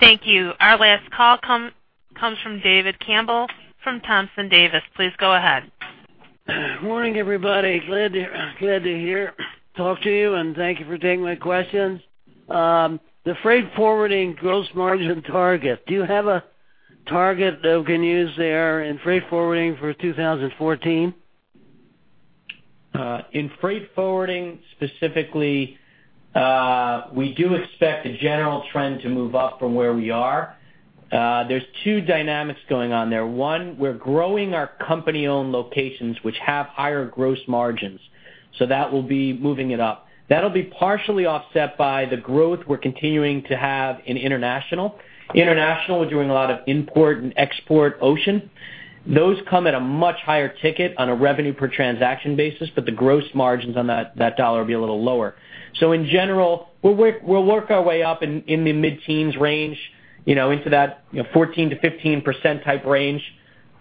Thank you. Our last call comes from David Campbell, from Thompson Davis. Please go ahead.
Morning, everybody. Glad to hear, talk to you, and thank you for taking my questions. The freight forwarding gross margin target, do you have a target that we can use there in freight forwarding for 2014?
In freight forwarding, specifically, we do expect the general trend to move up from where we are. There's two dynamics going on there. One, we're growing our company-owned locations, which have higher gross margins, so that will be moving it up. That'll be partially offset by the growth we're continuing to have in international. International, we're doing a lot of import and export ocean. Those come at a much higher ticket on a revenue per transaction basis, but the gross margins on that, that dollar will be a little lower. So in general, we'll work, we'll work our way up in, in the mid-teens range, you know, into that 14%-15% type range.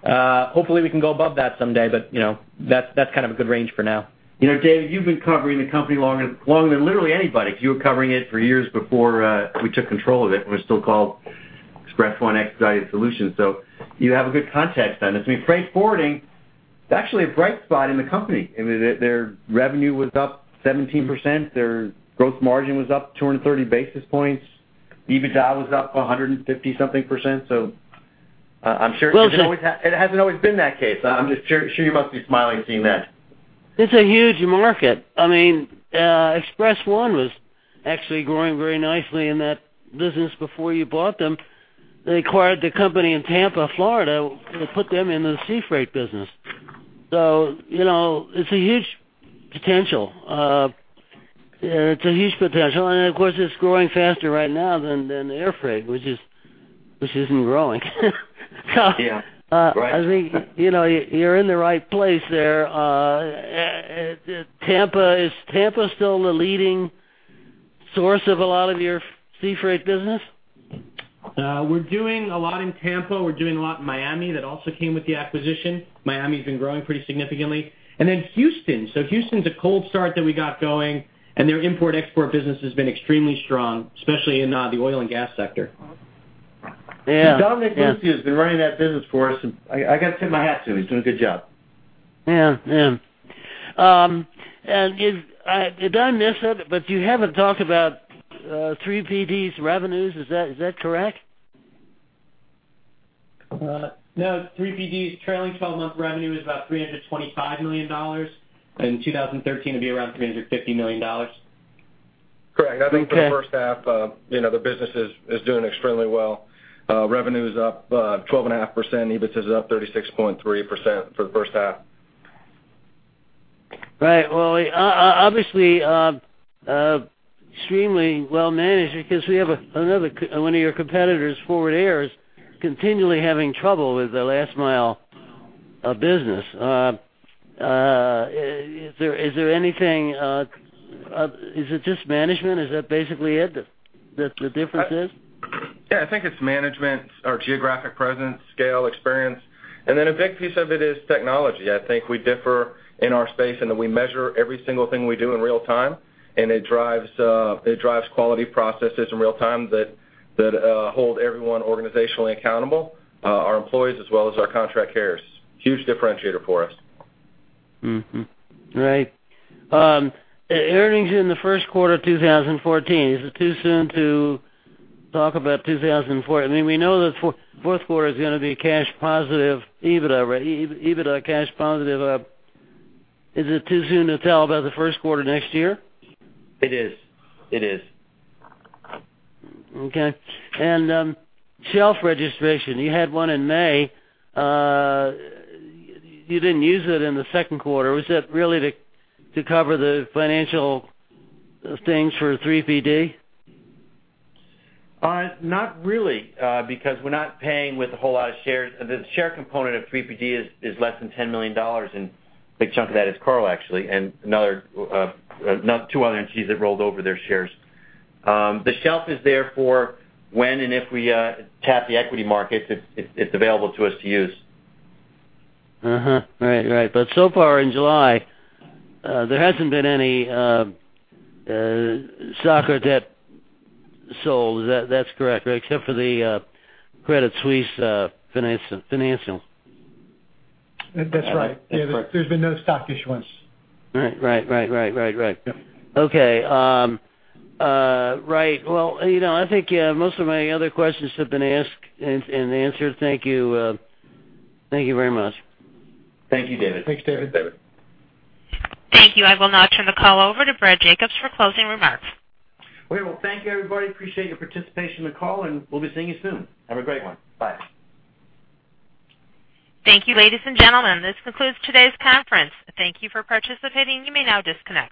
Hopefully, we can go above that someday, but, you know, that's, that's kind of a good range for now.
You know, Dave, you've been covering the company longer, longer than literally anybody. You were covering it for years before we took control of it, and we're still called Express-1 Expedited Solutions. So you have a good context on this. I mean, freight forwarding, it's actually a bright spot in the company. I mean, their, their revenue was up 17%, their gross margin was up 230 basis points. EBITDA was up 150-something%. So I, I'm sure it hasn't always been that case. I'm just sure, sure you must be smiling seeing that.
It's a huge market. I mean, Express-1 was actually growing very nicely in that business before you bought them. They acquired the company in Tampa, Florida, which put them in the sea freight business. So you know, it's a huge potential. It's a huge potential, and of course, it's growing faster right now than air freight, which isn't growing.
Yeah. Right.
I think, you know, you're in the right place there. Tampa, is Tampa still the leading source of a lot of your sea freight business?
We're doing a lot in Tampa. We're doing a lot in Miami. That also came with the acquisition. Miami has been growing pretty significantly. And then Houston, so Houston's a cold start that we got going, and their import-export business has been extremely strong, especially in the oil and gas sector.
Yeah.
Dan McNutt has been running that business for us, and I, I got to tip my hat to him. He's doing a good job.
Yeah, yeah. And if, did I miss it, but you haven't talked about 3PD's revenues. Is that, is that correct?
No, 3PD's trailing twelve-month revenue is about $325 million, in 2013, it'll be around $350 million.
Correct. I think for the first half, you know, the business is, is doing extremely well. Revenue is up 12.5%, EBIT is up 36.3% for the first half.
Right. Well, obviously, extremely well managed because we have another one of your competitors, Forward Air, is continually having trouble with the last mile of business. Is there anything, is it just management? Is that basically it, that the difference is?
Yeah, I think it's management, our geographic presence, scale, experience, and then a big piece of it is technology. I think we differ in our space, and that we measure every single thing we do in real time, and it drives quality processes in real time that hold everyone organizationally accountable, our employees as well as our contract carriers. Huge differentiator for us....
Mm-hmm, right. Earnings in the first quarter of 2014, is it too soon to talk about 2014? I mean, we know that fourth quarter is going to be cash positive EBITDA, right? EBITDA cash positive. Is it too soon to tell about the first quarter next year?
It is. It is.
Okay. And shelf registration, you had one in May. You didn't use it in the second quarter. Was that really to cover the financial things for 3PD?
Not really, because we're not paying with a whole lot of shares. The share component of 3PD is less than $10 million, and a big chunk of that is Karl, actually, and another two other entities that rolled over their shares. The shelf is there for when and if we tap the equity markets, it's available to us to use.
Uh-huh. Right. Right. But so far in July, there hasn't been any stock or debt sold. That's correct, right? Except for the Credit Suisse financing.
That's right.
That's correct.
There's been no stock issuance.
Right. Right. Right. Right. Right. Right.
Yep.
Okay. Right. Well, you know, I think, most of my other questions have been asked and, and answered. Thank you, thank you very much.
Thank you, David.
Thanks, David.
Thank you. I will now turn the call over to Brad Jacobs for closing remarks.
Well, thank you, everybody. Appreciate your participation in the call, and we'll be seeing you soon. Have a great one. Bye.
Thank you, ladies and gentlemen. This concludes today's conference. Thank you for participating. You may now disconnect.